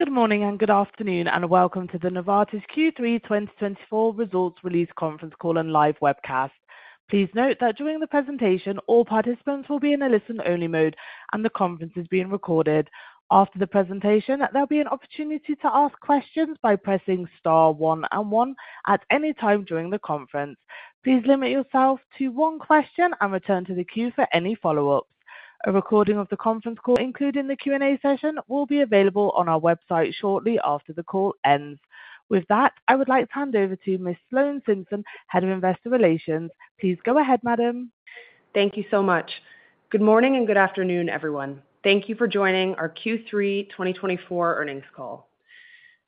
Good morning and good afternoon, and welcome to the Novartis Q3 2024 Results Release Conference Call and Live Webcast. Please note that during the presentation, all participants will be in a listen-only mode, and the conference is being recorded. After the presentation, there'll be an opportunity to ask questions by pressing Star 1 and 1 at any time during the conference. Please limit yourself to one question and return to the queue for any follow-ups. A recording of the conference call, including the Q&A session, will be available on our website shortly after the call ends. With that, I would like to hand over to Ms. Sloan Simpson, Head of Investor Relations. Please go ahead, Madam. Thank you so much. Good morning and good afternoon, everyone. Thank you for joining our Q3 2024 earnings call.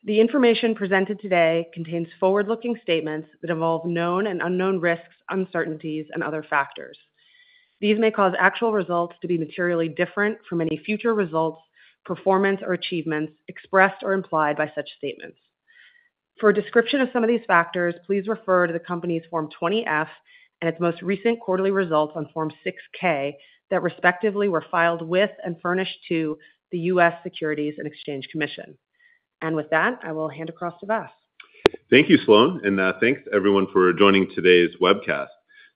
The information presented today contains forward-looking statements that involve known and unknown risks, uncertainties, and other factors. These may cause actual results to be materially different from any future results, performance, or achievements expressed or implied by such statements. For a description of some of these factors, please refer to the company's Form 20-F and its most recent quarterly results on Form 6-K that respectively were filed with and furnished to the U.S. Securities and Exchange Commission. With that, I will hand across to Vas. Thank you, Sloan, and thanks, everyone, for joining today's webcast.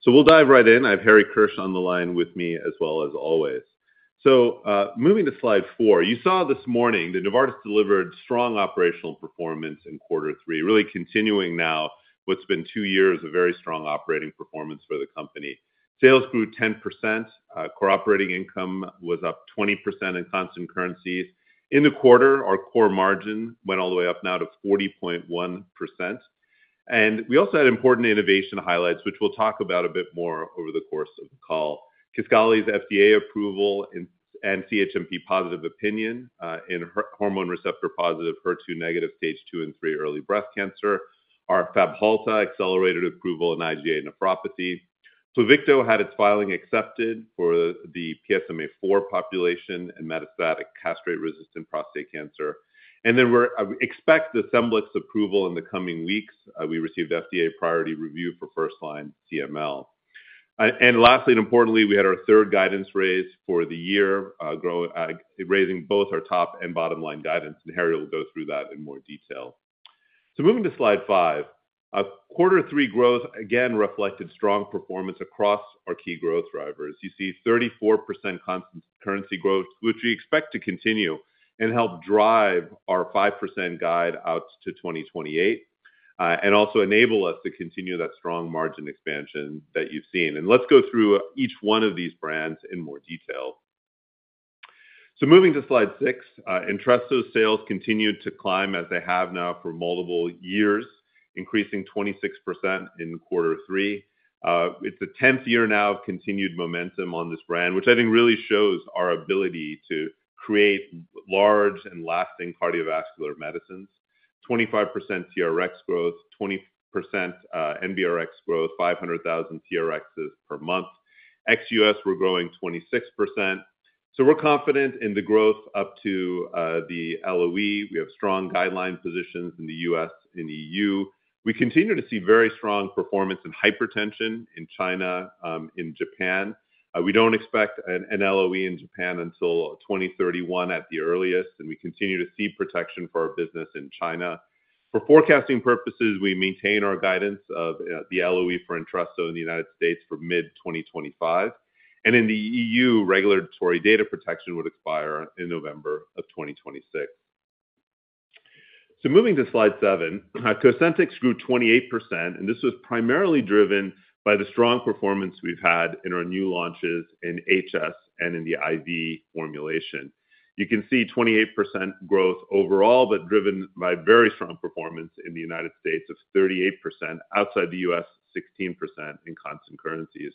So we'll dive right in. I have Harry Kirsch on the line with me as well as always. So moving to slide four, you saw this morning that Novartis delivered strong operational performance in Quarter Three, really continuing now what's been two years of very strong operating performance for the company. Sales grew 10%, core operating income was up 20% in constant currencies. In the quarter, our core margin went all the way up now to 40.1%. And we also had important innovation highlights, which we'll talk about a bit more over the course of the call. Kisqali's FDA approval and CHMP positive opinion in hormone receptor positive, HER2 negative, stage two and three early breast cancer. Our Fabhalta accelerated approval in IgA nephropathy. Pluvicto had its filing accepted for the PSMAfore population and metastatic castrate-resistant prostate cancer. And then we expect the Scemblix approval in the coming weeks. We received FDA priority review for first-line CML. And lastly, and importantly, we had our third guidance raise for the year, raising both our top and bottom-line guidance. And Harry will go through that in more detail. So moving to slide five, Quarter Three growth again reflected strong performance across our key growth drivers. You see 34% constant currency growth, which we expect to continue and help drive our 5% guide out to 2028 and also enable us to continue that strong margin expansion that you've seen. And let's go through each one of these brands in more detail. So moving to slide six, Entresto's sales continued to climb as they have now for multiple years, increasing 26% in Quarter Three. It's the 10th year now of continued momentum on this brand, which I think really shows our ability to create large and lasting cardiovascular medicines: 25% TRX growth, 20% NBRX growth, 500,000 TRXs per month. XUS, we're growing 26%. So we're confident in the growth up to the LOE. We have strong guideline positions in the U.S. and EU. We continue to see very strong performance in hypertension in China, in Japan. We don't expect an LOE in Japan until 2031 at the earliest. And we continue to see protection for our business in China. For forecasting purposes, we maintain our guidance of the LOE for Entresto in the United States for mid-2025. And in the EU, regulatory data protection would expire in November of 2026. Moving to slide seven, Cosentyx grew 28%, and this was primarily driven by the strong performance we've had in our new launches in HS and in the IV formulation. You can see 28% growth overall, but driven by very strong performance in the United States of 38%, outside the U.S., 16% in constant currencies.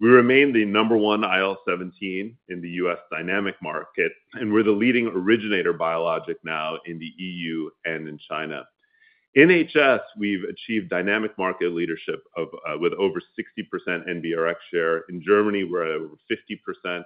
We remain the number one IL-17 in the U.S. dynamic market, and we're the leading originator biologic now in the EU and in China. In HS, we've achieved dynamic market leadership with over 60% NBRX share. In Germany, we're at over 50%,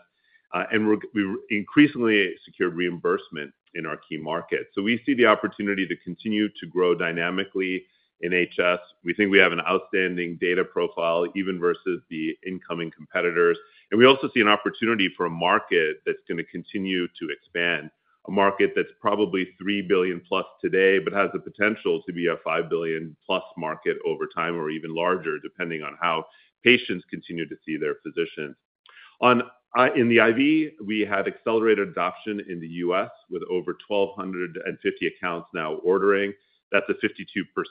and we increasingly secure reimbursement in our key markets. We see the opportunity to continue to grow dynamically in HS. We think we have an outstanding data profile, even versus the incoming competitors. We also see an opportunity for a market that's going to continue to expand, a market that's probably 3 billion plus today, but has the potential to be a 5 billion plus market over time or even larger, depending on how patients continue to see their physicians. In the IV, we had accelerated adoption in the U.S. with over 1,250 accounts now ordering. That's a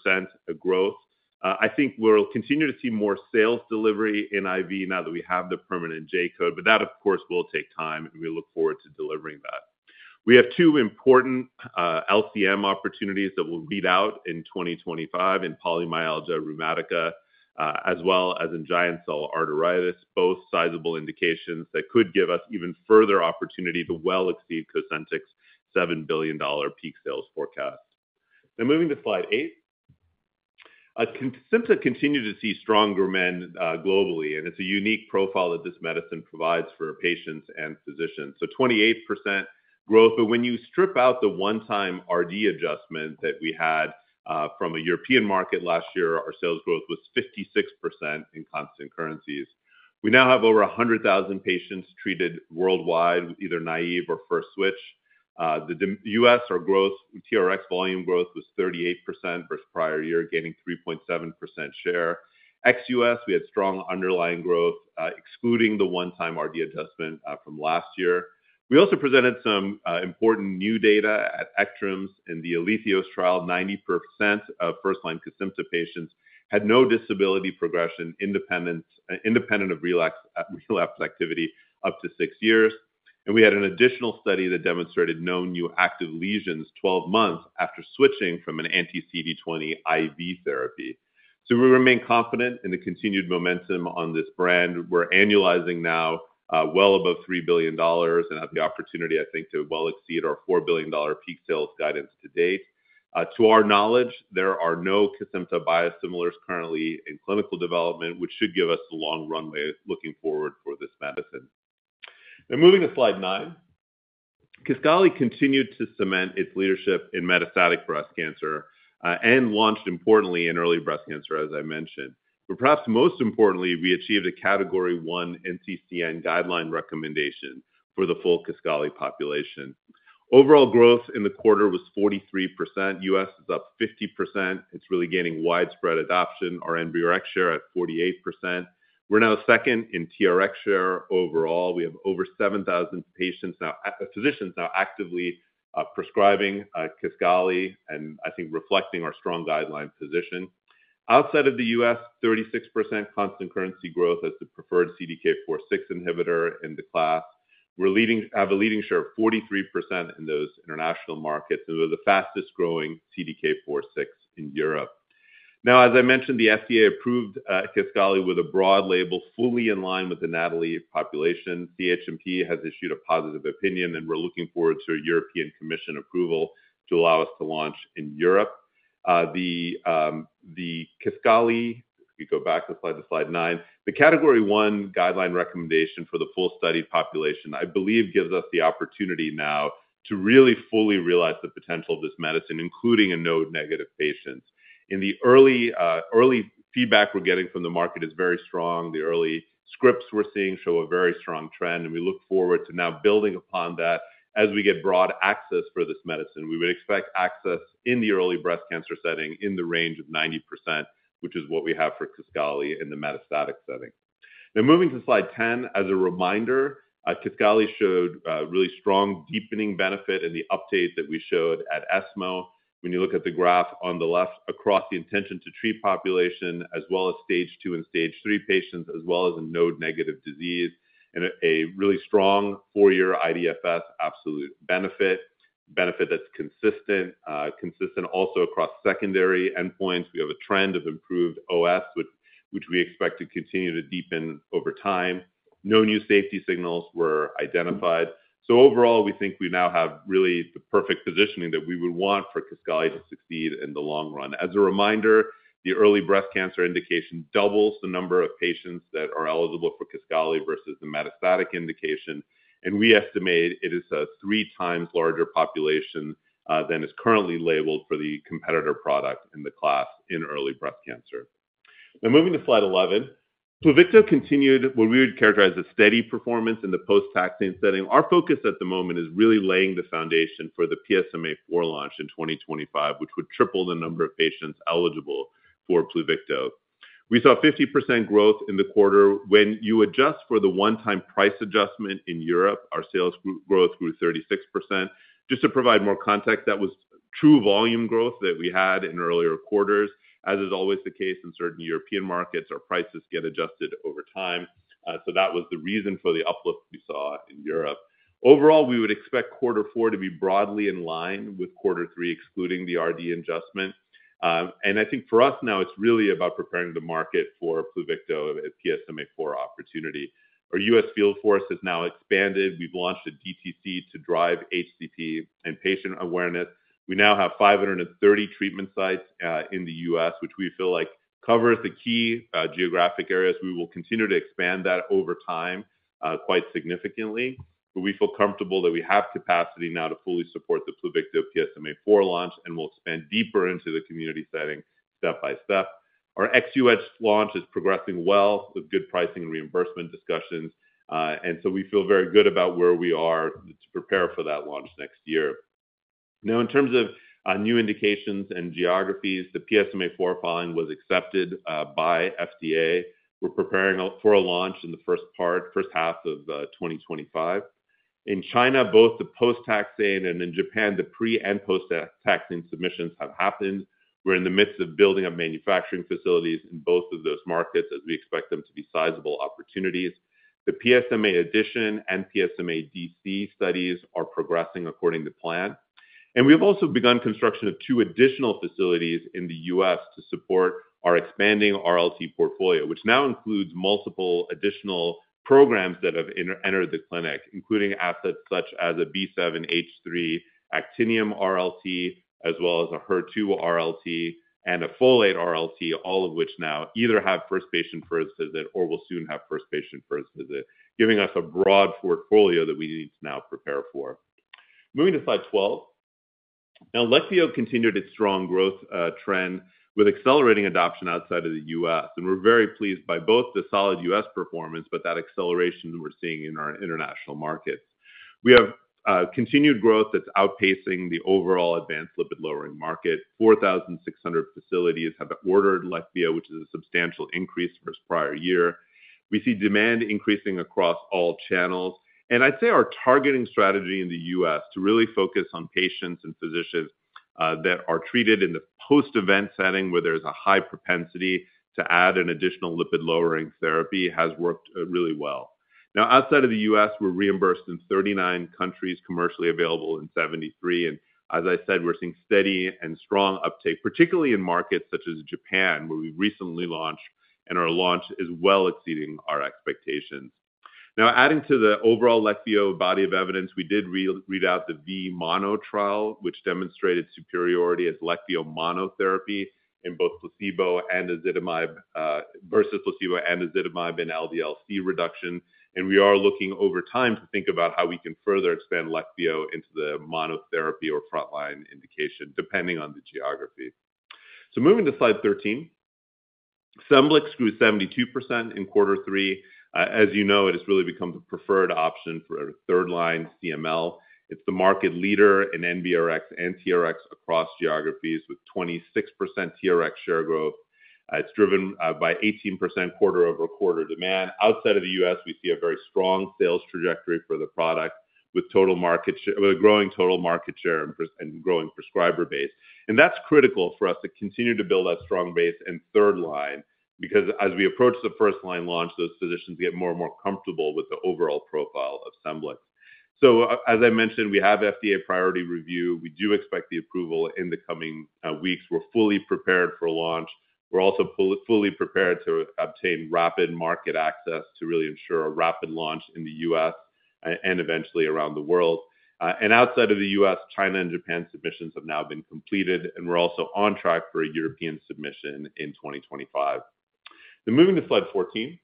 52% growth. I think we'll continue to see more sales delivery in IV now that we have the permanent J code, but that, of course, will take time, and we look forward to delivering that. We have two important LCM opportunities that will be out in 2025 in polymyalgia rheumatica, as well as in giant cell arteritis, both sizable indications that could give us even further opportunity to well exceed Cosentyx's $7 billion peak sales forecast. Now, moving to slide eight, Kesimpta continued to see strong momentum globally, and it's a unique profile that this medicine provides for patients and physicians. 28% growth, but when you strip out the one-time RD adjustment that we had from a European market last year, our sales growth was 56% in constant currencies. We now have over 100,000 patients treated worldwide, either naive or first switch. The U.S. growth, TRX volume growth was 38% versus prior year, gaining 3.7% share. XUS, we had strong underlying growth, excluding the one-time RD adjustment from last year. We also presented some important new data at ECTRIMS in the ALITHIOS trial. 90% of first-line Cosentyx patients had no disability progression, independent of relapse activity up to six years. We had an additional study that demonstrated no new active lesions 12 months after switching from an anti-CD20 IV therapy. We remain confident in the continued momentum on this brand. We're annualizing now well above $3 billion and have the opportunity, I think, to well exceed our $4 billion peak sales guidance to date. To our knowledge, there are no Cosentyx biosimilars currently in clinical development, which should give us a long runway looking forward for this medicine. Now, moving to slide nine, Kisqali continued to cement its leadership in metastatic breast cancer and launched, importantly, in early breast cancer, as I mentioned. But perhaps most importantly, we achieved a category one NCCN guideline recommendation for the full Kisqali population. Overall growth in the quarter was 43%. U.S. is up 50%. It's really gaining widespread adoption. Our NBRX share is at 48%. We're now second in TRX share overall. We have over 7,000 physicians now actively prescribing Kisqali and, I think, reflecting our strong guideline position. Outside of the U.S., 36% constant currency growth as the preferred CDK4/6 inhibitor in the class. We have a leading share of 43% in those international markets, and we're the fastest growing CDK4/6 in Europe. Now, as I mentioned, the FDA approved Kisqali with a broad label, fully in line with the NATALEE population. CHMP has issued a positive opinion, and we're looking forward to a European Commission approval to allow us to launch in Europe. The Kisqali, if you go back to slide to slide nine, the category one guideline recommendation for the full study population, I believe, gives us the opportunity now to really fully realize the potential of this medicine, including a node-negative patient. In the early feedback we're getting from the market is very strong. The early scripts we're seeing show a very strong trend, and we look forward to now building upon that as we get broad access for this medicine. We would expect access in the early breast cancer setting in the range of 90%, which is what we have for Kisqali in the metastatic setting. Now, moving to slide 10, as a reminder, Kisqali showed really strong deepening benefit in the uptake that we showed at ESMO. When you look at the graph on the left, across the intent-to-treat population, as well as stage two and stage three patients, as well as node-negative disease, and a really strong four-year IDFS absolute benefit that's consistent across secondary endpoints. We have a trend of improved OS, which we expect to continue to deepen over time. No new safety signals were identified. So overall, we think we now have really the perfect positioning that we would want for Kisqali to succeed in the long run. As a reminder, the early breast cancer indication doubles the number of patients that are eligible for Kisqali versus the metastatic indication. And we estimate it is a three times larger population than is currently labeled for the competitor product in the class in early breast cancer. Now, moving to slide 11, Pluvicto continued what we would characterize as steady performance in the post-taxane setting. Our focus at the moment is really laying the foundation for the PSMA4 launch in 2025, which would triple the number of patients eligible for Pluvicto. We saw 50% growth in the quarter. When you adjust for the one-time price adjustment in Europe, our sales growth grew 36%. Just to provide more context, that was true volume growth that we had in earlier quarters. As is always the case in certain European markets, our prices get adjusted over time. So that was the reason for the uplift we saw in Europe. Overall, we would expect Quarter Four to be broadly in line with Quarter Three, excluding the RD adjustment. And I think for us now, it's really about preparing the market for Pluvicto as a PSMA4 opportunity. Our U.S. field force has now expanded. We've launched a DTC to drive HCP and patient awareness. We now have 530 treatment sites in the U.S., which we feel like covers the key geographic areas. We will continue to expand that over time quite significantly. But we feel comfortable that we have capacity now to fully support the Pluvicto PSMA4 launch, and we'll expand deeper into the community setting step by step. Our ex-U.S. launch is progressing well with good pricing and reimbursement discussions. And so we feel very good about where we are to prepare for that launch next year. Now, in terms of new indications and geographies, the PSMA4 filing was accepted by FDA. We're preparing for a launch in the first half of 2025. In China, both the post-taxane and in Japan, the pre- and post-taxane submissions have happened. We're in the midst of building up manufacturing facilities in both of those markets, as we expect them to be sizable opportunities. The PSMAddition and Uncertain studies are progressing according to plan. And we have also begun construction of two additional facilities in the U.S. to support our expanding RLT portfolio, which now includes multiple additional programs that have entered the clinic, including assets such as a B7H3 actinium RLT, as well as a HER2 RLT and a folate RLT, all of which now either have first patient first visit or will soon have first patient first visit, giving us a broad portfolio that we need to now prepare for. Moving to slide 12, now Leqvio continued its strong growth trend with accelerating adoption outside of the U.S., and we're very pleased by both the solid U.S. performance, but that acceleration we're seeing in our international markets. We have continued growth that's outpacing the overall advanced lipid lowering market. 4,600 facilities have ordered Leqvio, which is a substantial increase versus prior year. We see demand increasing across all channels, and I'd say our targeting strategy in the U.S. to really focus on patients and physicians that are treated in the post-event setting, where there's a high propensity to add an additional lipid lowering therapy, has worked really well. Now, outside of the U.S., we're reimbursed in 39 countries, commercially available in 73. And as I said, we're seeing steady and strong uptake, particularly in markets such as Japan, where we recently launched and our launch is well exceeding our expectations. Now, adding to the overall Leqvio body of evidence, we did read out the V-MONO trial, which demonstrated superiority as Leqvio monotherapy in both placebo and ezetimibe versus placebo and ezetimibe in LDL-C reduction. And we are looking over time to think about how we can further expand Leqvio into the monotherapy or frontline indication, depending on the geography. So moving to slide 13, Scemblix grew 72% in Quarter Three. As you know, it has really become the preferred option for third-line CML. It's the market leader in NBRX and TRX across geographies with 26% TRX share growth. It's driven by 18% quarter-over-quarter demand. Outside of the U.S., we see a very strong sales trajectory for the product with total market share, with a growing total market share and growing prescriber base. And that's critical for us to continue to build that strong base in third line, because as we approach the first-line launch, those physicians get more and more comfortable with the overall profile of Scemblix. So, as I mentioned, we have FDA priority review. We do expect the approval in the coming weeks. We're fully prepared for launch. We're also fully prepared to obtain rapid market access to really ensure a rapid launch in the U.S. and eventually around the world. Outside of the U.S., China and Japan submissions have now been completed, and we're also on track for a European submission in 2025. Now, moving to slide 14,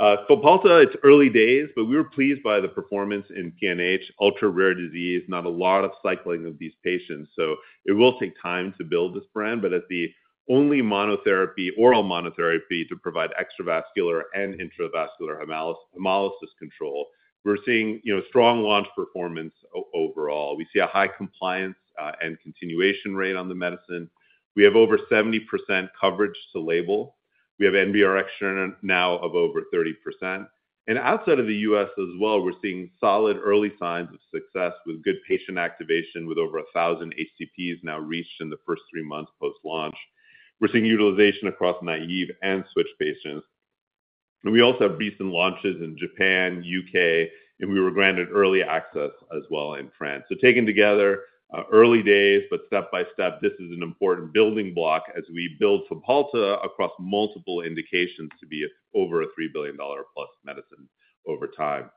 Fabhalta, it's early days, but we were pleased by the performance in PNH, ultra rare disease, not a lot of cycling of these patients. So it will take time to build this brand, but as the only monotherapy, oral monotherapy to provide extravascular and intravascular hemolysis control, we're seeing strong launch performance overall. We see a high compliance and continuation rate on the medicine. We have over 70% coverage to label. We have NBRX share now of over 30%. And outside of the U.S. as well, we're seeing solid early signs of success with good patient activation, with over 1,000 HCPs now reached in the first three months post-launch. We're seeing utilization across naive and switch patients. We also have recent launches in Japan, U.K., and we were granted early access as well in France. Taken together, early days, but step by step, this is an important building block as we build Fabhalta across multiple indications to be over a $3 billion plus medicine over time.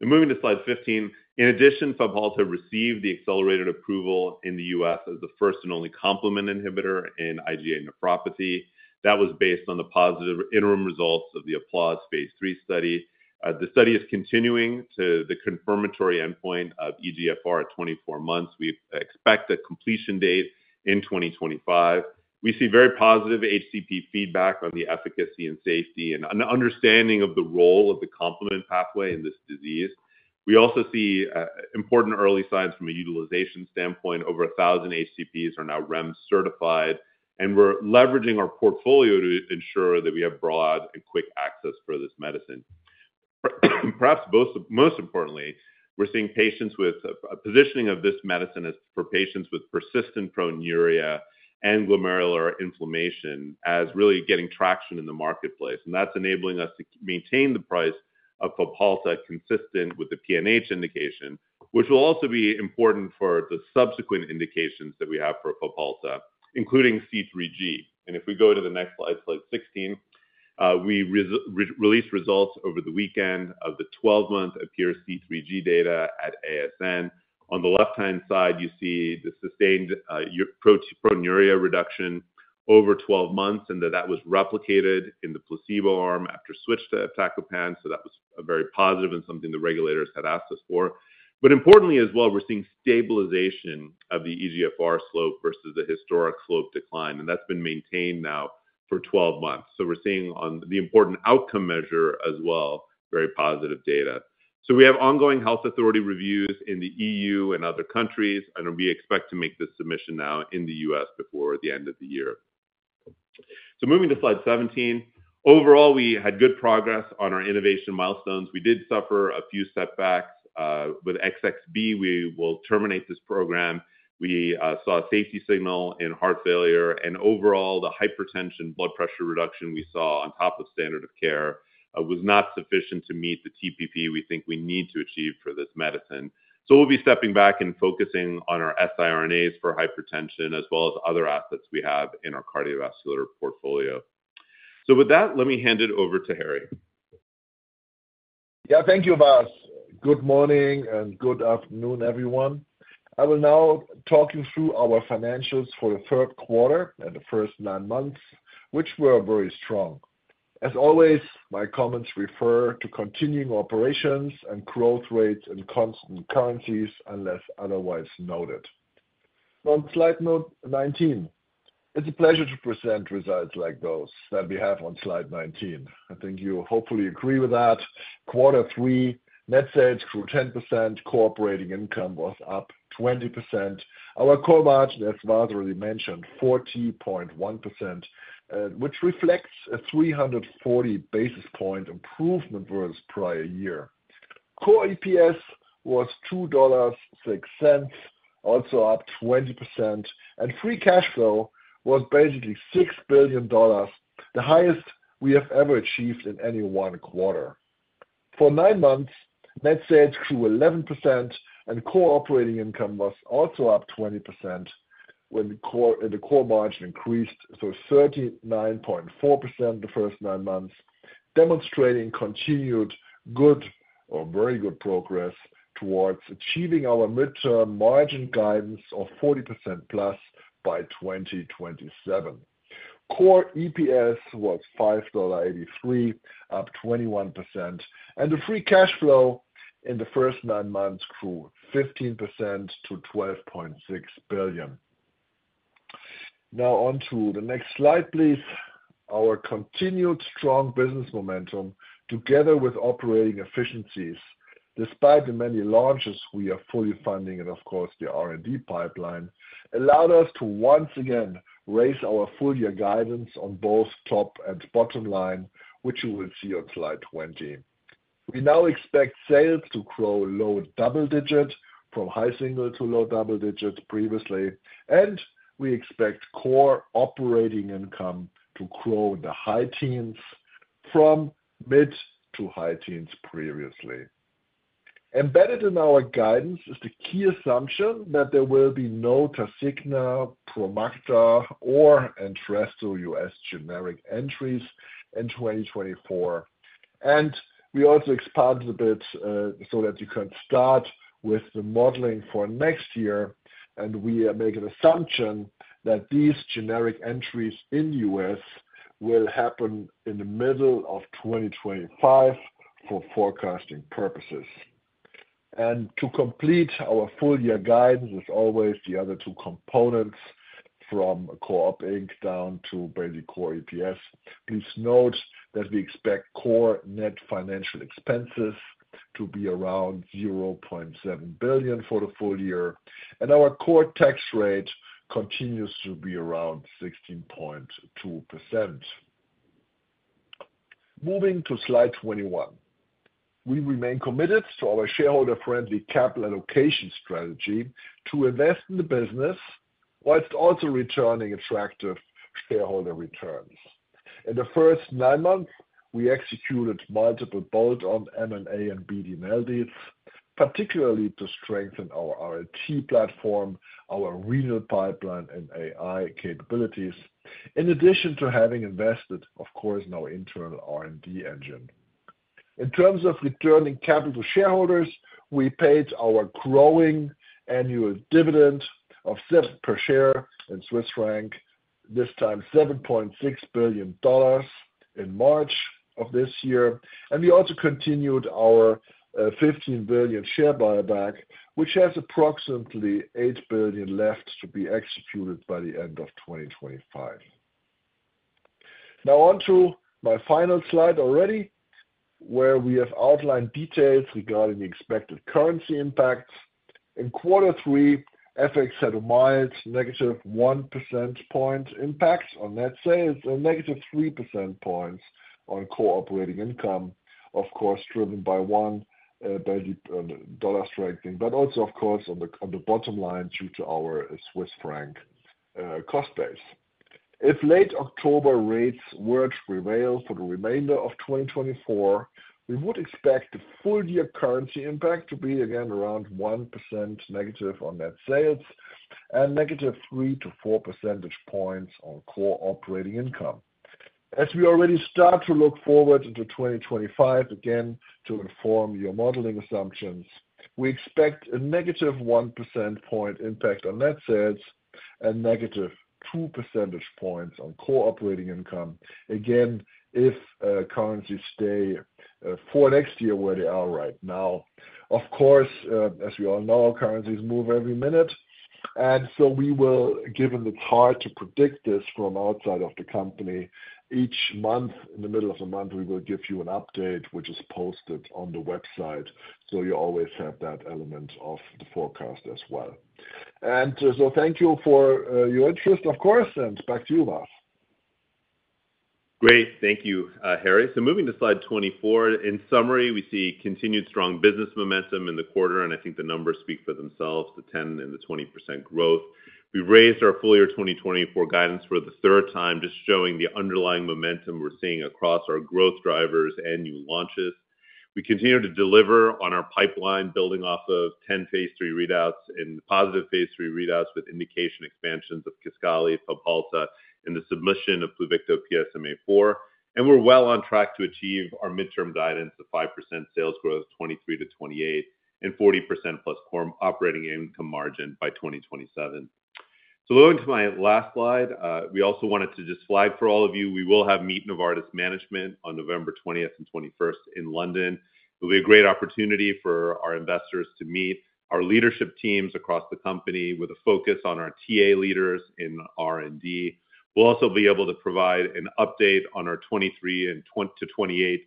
Moving to slide 15, in addition, Fabhalta received the accelerated approval in the U.S. as the first and only complement inhibitor in IgA nephropathy. That was based on the positive interim results of the APPLAUSE phase three study. The study is continuing to the confirmatory endpoint of eGFR at 24 months. We expect a completion date in 2025. We see very positive HCP feedback on the efficacy and safety and an understanding of the role of the complement pathway in this disease. We also see important early signs from a utilization standpoint. Over 1,000 HCPs are now REMS certified, and we're leveraging our portfolio to ensure that we have broad and quick access for this medicine. Perhaps most importantly, we're seeing patients with a positioning of this medicine as for patients with persistent proteinuria and glomerular inflammation as really getting traction in the marketplace, and that's enabling us to maintain the price of Fabhalta consistent with the PNH indication, which will also be important for the subsequent indications that we have for Fabhalta, including C3G, and if we go to the next slide, slide 16, we released results over the weekend of the 12-month APPEAR-C3G data at ASN. On the left-hand side, you see the sustained proteinuria reduction over 12 months and that that was replicated in the placebo arm after switch to Iptacopan, so that was very positive and something the regulators had asked us for. But importantly as well, we're seeing stabilization of the eGFR slope versus the historic slope decline, and that's been maintained now for 12 months. So we're seeing on the important outcome measure as well, very positive data. So we have ongoing health authority reviews in the EU and other countries, and we expect to make this submission now in the U.S. before the end of the year. So moving to slide 17, overall, we had good progress on our innovation milestones. We did suffer a few setbacks with XXB. We will terminate this program. We saw a safety signal in heart failure, and overall, the hypertension blood pressure reduction we saw on top of standard of care was not sufficient to meet the TPP we think we need to achieve for this medicine. So we'll be stepping back and focusing on our siRNAs for hypertension, as well as other assets we have in our cardiovascular portfolio. So with that, let me hand it over to Harry. Yeah, thank you, Vas. Good morning and good afternoon, everyone. I will now talk you through our financials for the third quarter and the first nine months, which were very strong. As always, my comments refer to continuing operations and growth rates in constant currencies, unless otherwise noted. On slide 19, it's a pleasure to present results like those that we have on slide 19. I think you hopefully agree with that. Quarter three, net sales grew 10%. Core operating income was up 20%. Our core margin, as Vas already mentioned, 40.1%, which reflects a 340 basis points improvement versus prior year. Core EPS was $2.06, also up 20%, and free cash flow was basically $6 billion, the highest we have ever achieved in any one quarter. For nine months, net sales grew 11%, and operating income was also up 20% with the core margin increasing, so 39.4% for the first nine months, demonstrating continued good or very good progress towards achieving our midterm margin guidance of 40% plus by 2027. Core EPS was $5.83, up 21%, and the free cash flow in the first nine months grew 15% to $12.6 billion. Now on to the next slide, please. Our continued strong business momentum, together with operating efficiencies, despite the many launches we are fully funding and, of course, the R&D pipeline, allowed us to once again raise our full-year guidance on both top and bottom line, which you will see on slide 20. We now expect sales to grow low double digit from high single to low double digit previously, and we expect core operating income to grow in the high teens from mid to high teens previously. Embedded in our guidance is the key assumption that there will be no Tasigna, Promacta, or Entresto U.S. generic entries in 2024, and we also expanded a bit so that you can start with the modeling for next year, and we are making an assumption that these generic entries in the U.S. will happen in the middle of 2025 for forecasting purposes, and to complete our full-year guidance, as always, the other two components from core op. inc. down to basic core EPS. Please note that we expect core net financial expenses to be around $0.7 billion for the full year, and our core tax rate continues to be around 16.2%. Moving to slide 21, we remain committed to our shareholder-friendly capital allocation strategy to invest in the business while it's also returning attractive shareholder returns. In the first nine months, we executed multiple bolt-on M&A and BD and LDs, particularly to strengthen our R&T platform, our renal pipeline, and AI capabilities, in addition to having invested, of course, in our internal R&D engine. In terms of returning capital to shareholders, we paid our growing annual dividend of 7 per share, this time $7.6 billion in March of this year, and we also continued our $15 billion share buyback, which has approximately $8 billion left to be executed by the end of 2025. Now on to my final slide already, where we have outlined details regarding the expected currency impacts. In quarter three, FX had a mild negative 1% point impact on net sales and negative 3% points on core operating income, of course, driven by U.S. dollar strengthening, but also, of course, on the bottom line due to our Swiss franc cost base. If late October rates were to prevail for the remainder of 2024, we would expect the full-year currency impact to be again around 1% negative on net sales and negative 3 to 4 percentage points on core operating income. As we already start to look forward into 2025, again, to inform your modeling assumptions, we expect a negative 1% point impact on net sales and negative 2 percentage points on core operating income, again, if currencies stay for next year where they are right now. Of course, as we all know, currencies move every minute, and so we will, given the difficulty to predict this from outside of the company, each month in the middle of the month, we will give you an update, which is posted on the website, so you always have that element of the forecast as well. So thank you for your interest, of course, and back to you, Vas. Great. Thank you, Harry. So moving to slide 24, in summary, we see continued strong business momentum in the quarter, and I think the numbers speak for themselves, the 10% and 20% growth. We raised our full-year 2024 guidance for the third time, just showing the underlying momentum we're seeing across our growth drivers and new launches. We continue to deliver on our pipeline, building off of 10 phase 3 readouts and positive phase 3 readouts with indication expansions of Kisqali, Fabhalta, and the submission of Pluvicto-PSMA4, and we're well on track to achieve our midterm guidance of 5% sales growth, 2023 to 2028, and 40% plus core operating income margin by 2027. Going to my last slide, we also wanted to just flag for all of you, we will have Meet Novartis Management on November 20th and 21st in London. It'll be a great opportunity for our investors to meet our leadership teams across the company with a focus on our TA leaders in R&D. We'll also be able to provide an update on our 2023 to 2028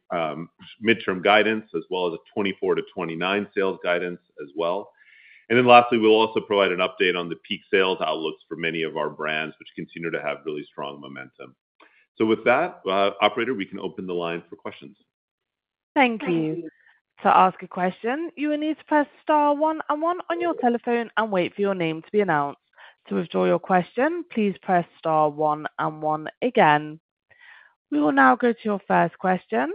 midterm guidance, as well as a 2024 to 2029 sales guidance as well. And then lastly, we'll also provide an update on the peak sales outlooks for many of our brands, which continue to have really strong momentum. So with that, Operator, we can open the line for questions. Thank you. To ask a question, you will need to press star one and one on your telephone and wait for your name to be announced. To withdraw your question, please press star one and one again. We will now go to your first question.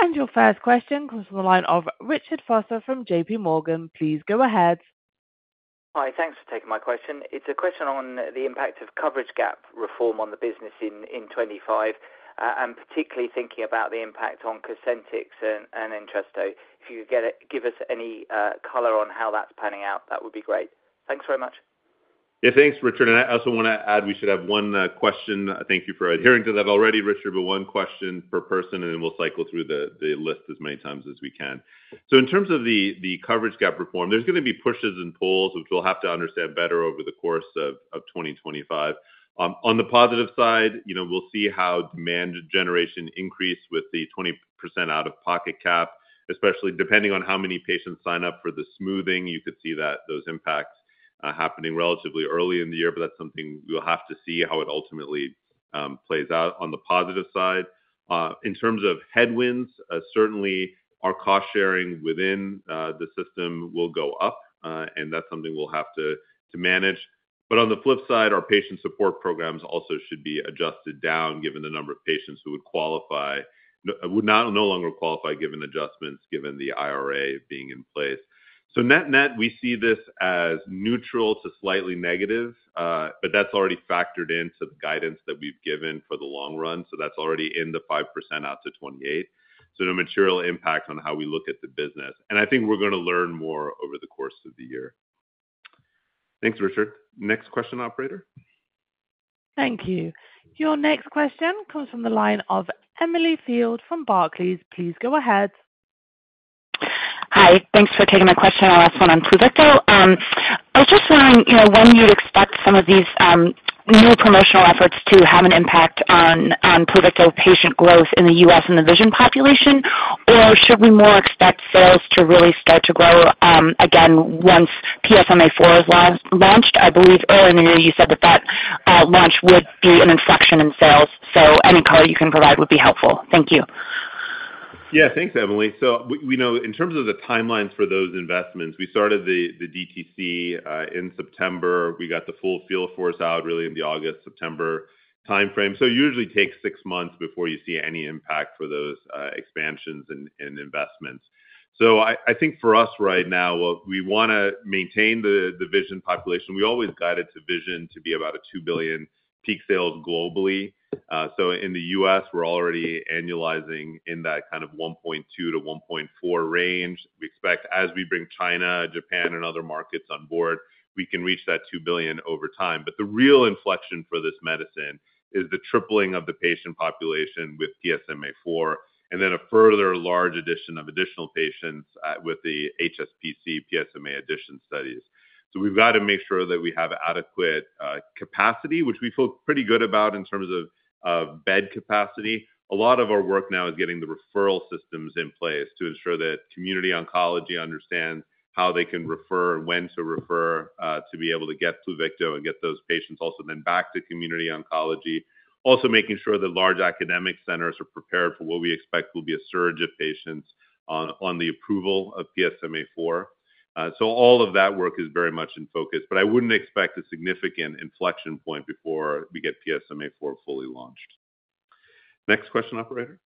And your first question comes from the line of Richard Vosser from JP Morgan. Please go ahead. Hi, thanks for taking my question. It's a question on the impact of coverage gap reform on the business in 2025, and particularly thinking about the impact on Cosentyx and Entresto. If you could give us any color on how that's panning out, that would be great. Thanks very much. Yeah, thanks, Richard. And I also want to add, we should have one question. Thank you for adhering to that already, Richard, but one question per person, and then we'll cycle through the list as many times as we can. So in terms of the coverage gap reform, there's going to be pushes and pulls, which we'll have to understand better over the course of 2025. On the positive side, we'll see how demand generation increased with the 20% out of pocket cap, especially depending on how many patients sign up for the smoothing. You could see those impacts happening relatively early in the year, but that's something we'll have to see how it ultimately plays out on the positive side. In terms of headwinds, certainly our cost sharing within the system will go up, and that's something we'll have to manage. But on the flip side, our patient support programs also should be adjusted down, given the number of patients who would qualify, would no longer qualify given adjustments, given the IRA being in place. So net net, we see this as neutral to slightly negative, but that's already factored into the guidance that we've given for the long run. So that's already in the 5% out to 2028. So no material impact on how we look at the business. And I think we're going to learn more over the course of the year. Thanks, Richard. Next question, Operator. Thank you. Your next question comes from the line of Emily Field from Barclays. Please go ahead. Hi, thanks for taking my question. I'll ask one on Pluvicto. I was just wondering when you'd expect some of these new promotional efforts to have an impact on Pluvicto patient growth in the U.S. And the Pluvicto population, or should we more expect sales to really start to grow again once PSMA4 is launched? I believe earlier in the year you said that that launch would be an inflection in sales, so any color you can provide would be helpful. Thank you. Yeah, thanks, Emily. So in terms of the timelines for those investments, we started the DTC in September. We got the full field force out really in the August, September timeframe. So it usually takes six months before you see any impact for those expansions and investments. So I think for us right now, we want to maintain the Pluvicto population. We always guided to Pluvicto to be about a $2 billion peak sales globally. So in the U.S., we're already annualizing in that kind of $1.2-$1.4 range. We expect as we bring China, Japan, and other markets on board, we can reach that $2 billion over time. But the real inflection for this medicine is the tripling of the patient population with PSMA4, and then a further large addition of additional patients with the HSPC PSMA addition studies. So we've got to make sure that we have adequate capacity, which we feel pretty good about in terms of bed capacity. A lot of our work now is getting the referral systems in place to ensure that community oncology understands how they can refer and when to refer to be able to get Pluvicto and get those patients also then back to community oncology. Also making sure that large academic centers are prepared for what we expect will be a surge of patients on the approval of PSMA4. So all of that work is very much in focus, but I wouldn't expect a significant inflection point before we get PSMA4 fully launched. Next question, Operator.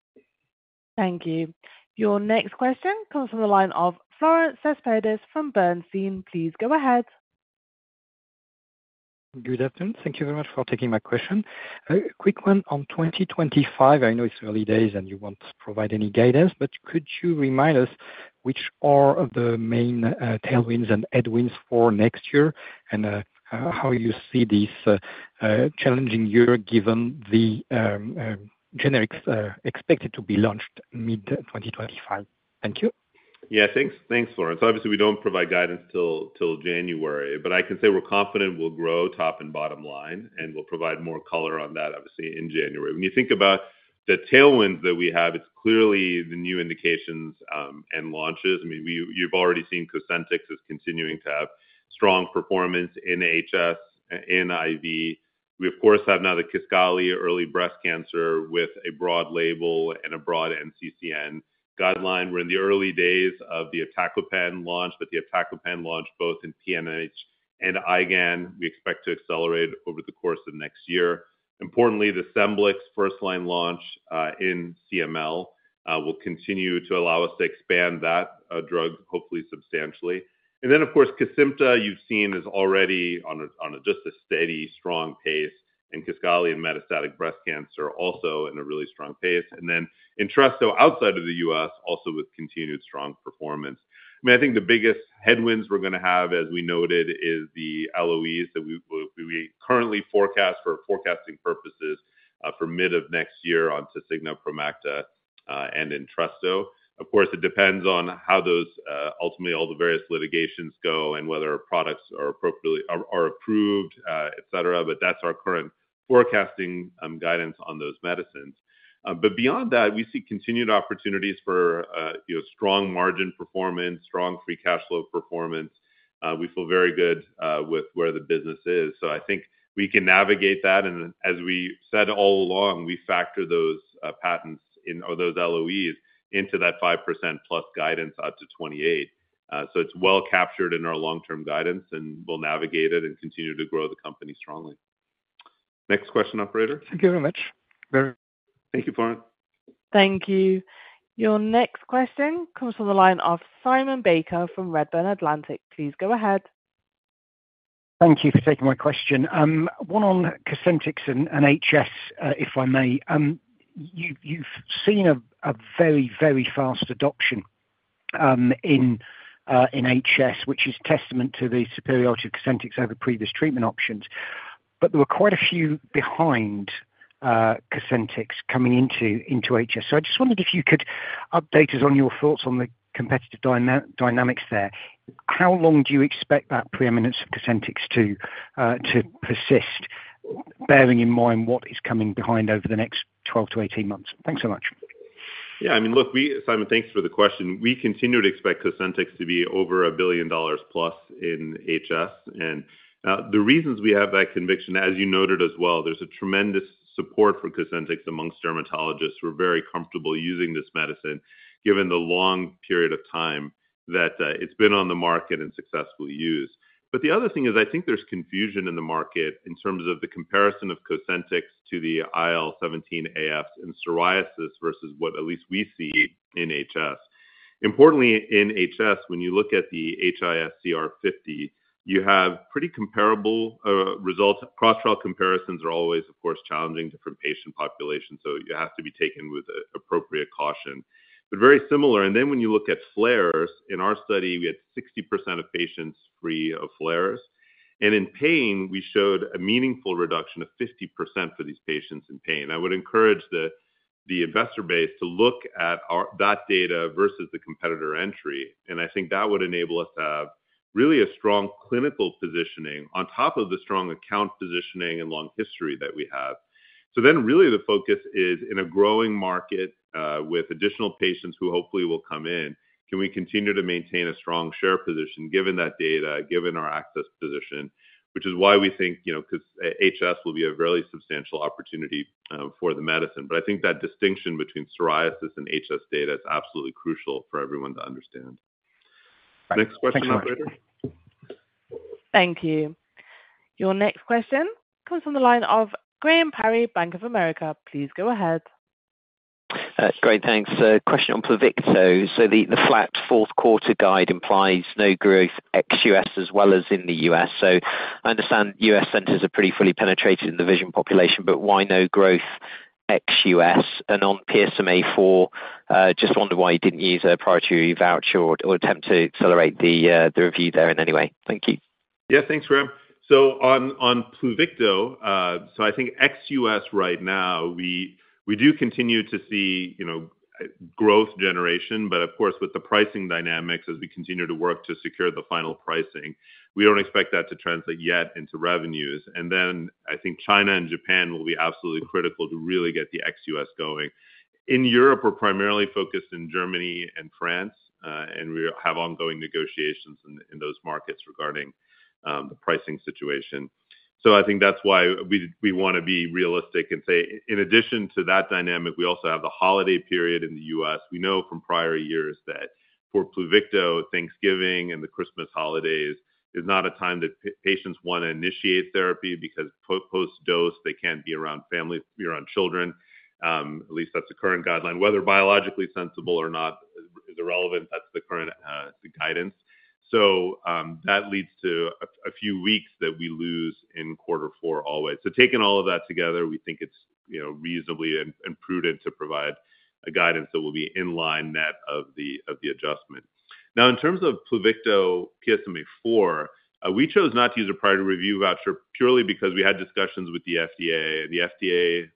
Thank you. Your next question comes from the line of Florent Cespedes from Bernstein. Please go ahead. Good afternoon. Thank you very much for taking my question. Quick one on 2025. I know it's early days and you won't provide any guidance, but could you remind us which are the main tailwinds and headwinds for next year and how you see this challenging year given the generics expected to be launched mid-2025? Thank you. Yeah, thanks. Thanks, Florent. Obviously, we don't provide guidance till January, but I can say we're confident we'll grow top and bottom line, and we'll provide more color on that, obviously, in January. When you think about the tailwinds that we have, it's clearly the new indications and launches. I mean, you've already seen Cosentyx is continuing to have strong performance in HS and AS. We, of course, have now the Kisqali early breast cancer with a broad label and a broad NCCN guideline. We're in the early days of the Fabhalta launch, but the Fabhalta launch both in PNH and IgAN. We expect to accelerate over the course of next year. Importantly, the Scemblix first line launch in CML will continue to allow us to expand that drug, hopefully substantially. And then, of course, Kesimpta, you've seen is already on just a steady, strong pace, and Kisqali and metastatic breast cancer also in a really strong pace. And then Entresto outside of the U.S., also with continued strong performance. I mean, I think the biggest headwinds we're going to have, as we noted, is the LOEs that we currently forecast for forecasting purposes for mid of next year on Tasigna, Promacta, and Entresto. Of course, it depends on how those ultimately all the various litigations go and whether products are approved, et cetera, but that's our current forecasting guidance on those medicines. But beyond that, we see continued opportunities for strong margin performance, strong free cash flow performance. We feel very good with where the business is. So I think we can navigate that. And as we said all along, we factor those patents or those LOEs into that 5% plus guidance out to 2028. So it's well captured in our long-term guidance, and we'll navigate it and continue to grow the company strongly. Next question, Operator. Thank you very much. Thank you, Florent. Thank you. Your next question comes from the line of Simon Baker from Redburn Atlantic. Please go ahead. Thank you for taking my question. One on Cosentyx and HS, if I may. You've seen a very, very fast adoption in HS, which is testament to the superiority of Cosentyx over previous treatment options, but there were quite a few behind Cosentyx coming into HS. So I just wondered if you could update us on your thoughts on the competitive dynamics there. How long do you expect that preeminence of Cosentyx to persist, bearing in mind what is coming behind over the next 12 to 18 months? Thanks so much. Yeah, I mean, look, Simon, thanks for the question. We continue to expect Cosentyx to be over $1 billion in HS. And the reasons we have that conviction, as you noted as well, there's a tremendous support for Cosentyx among dermatologists. We're very comfortable using this medicine given the long period of time that it's been on the market and successfully used. But the other thing is I think there's confusion in the market in terms of the comparison of Cosentyx to the IL-17A/Fs and psoriasis versus what at least we see in HS. Importantly, in HS, when you look at the HiSCR50, you have pretty comparable results. Cross-trial comparisons are always, of course, challenging different patient populations, so you have to be taken with appropriate caution, but very similar. And then when you look at flares, in our study, we had 60% of patients free of flares. And in pain, we showed a meaningful reduction of 50% for these patients in pain. I would encourage the investor base to look at that data versus the competitor entry. I think that would enable us to have really a strong clinical positioning on top of the strong account positioning and long history that we have. Then really the focus is in a growing market with additional patients who hopefully will come in. Can we continue to maintain a strong share position given that data, given our access position, which is why we think HS will be a really substantial opportunity for the medicine. I think that distinction between psoriasis and HS data is absolutely crucial for everyone to understand. Next question, Operator. Thank you. Your next question comes from the line of Graham Parry, Bank of America. Please go ahead. Great, thanks. Question on Pluvicto. The flat fourth quarter guide implies no growth ex U.S. as well as in the U.S. I understand U.S. Centers are pretty fully penetrated in the vision population, but why no growth ex U.S.? And on PSMA4, just wondered why you didn't use a priority voucher or attempt to accelerate the review there in any way. Thank you. Yeah, thanks, Graham. So on Pluvicto, I think ex U.S. right now, we do continue to see growth generation, but of course, with the pricing dynamics, as we continue to work to secure the final pricing, we don't expect that to translate yet into revenues. And then I think China and Japan will be absolutely critical to really get the ex U.S. going. In Europe, we're primarily focused in Germany and France, and we have ongoing negotiations in those markets regarding the pricing situation. So I think that's why we want to be realistic and say, in addition to that dynamic, we also have the holiday period in the U.S. We know from prior years that for Pluvicto, Thanksgiving and the Christmas holidays is not a time that patients want to initiate therapy because post-dose, they can't be around family, be around children. At least that's the current guideline. Whether biologically sensible or not is irrelevant. That's the current guidance, so that leads to a few weeks that we lose in quarter four always. So taking all of that together, we think it's reasonable and prudent to provide a guidance that will be in line net of the adjustment. Now, in terms of Pluvicto PSMA4, we chose not to use a priority review voucher purely because we had discussions with the FDA. And the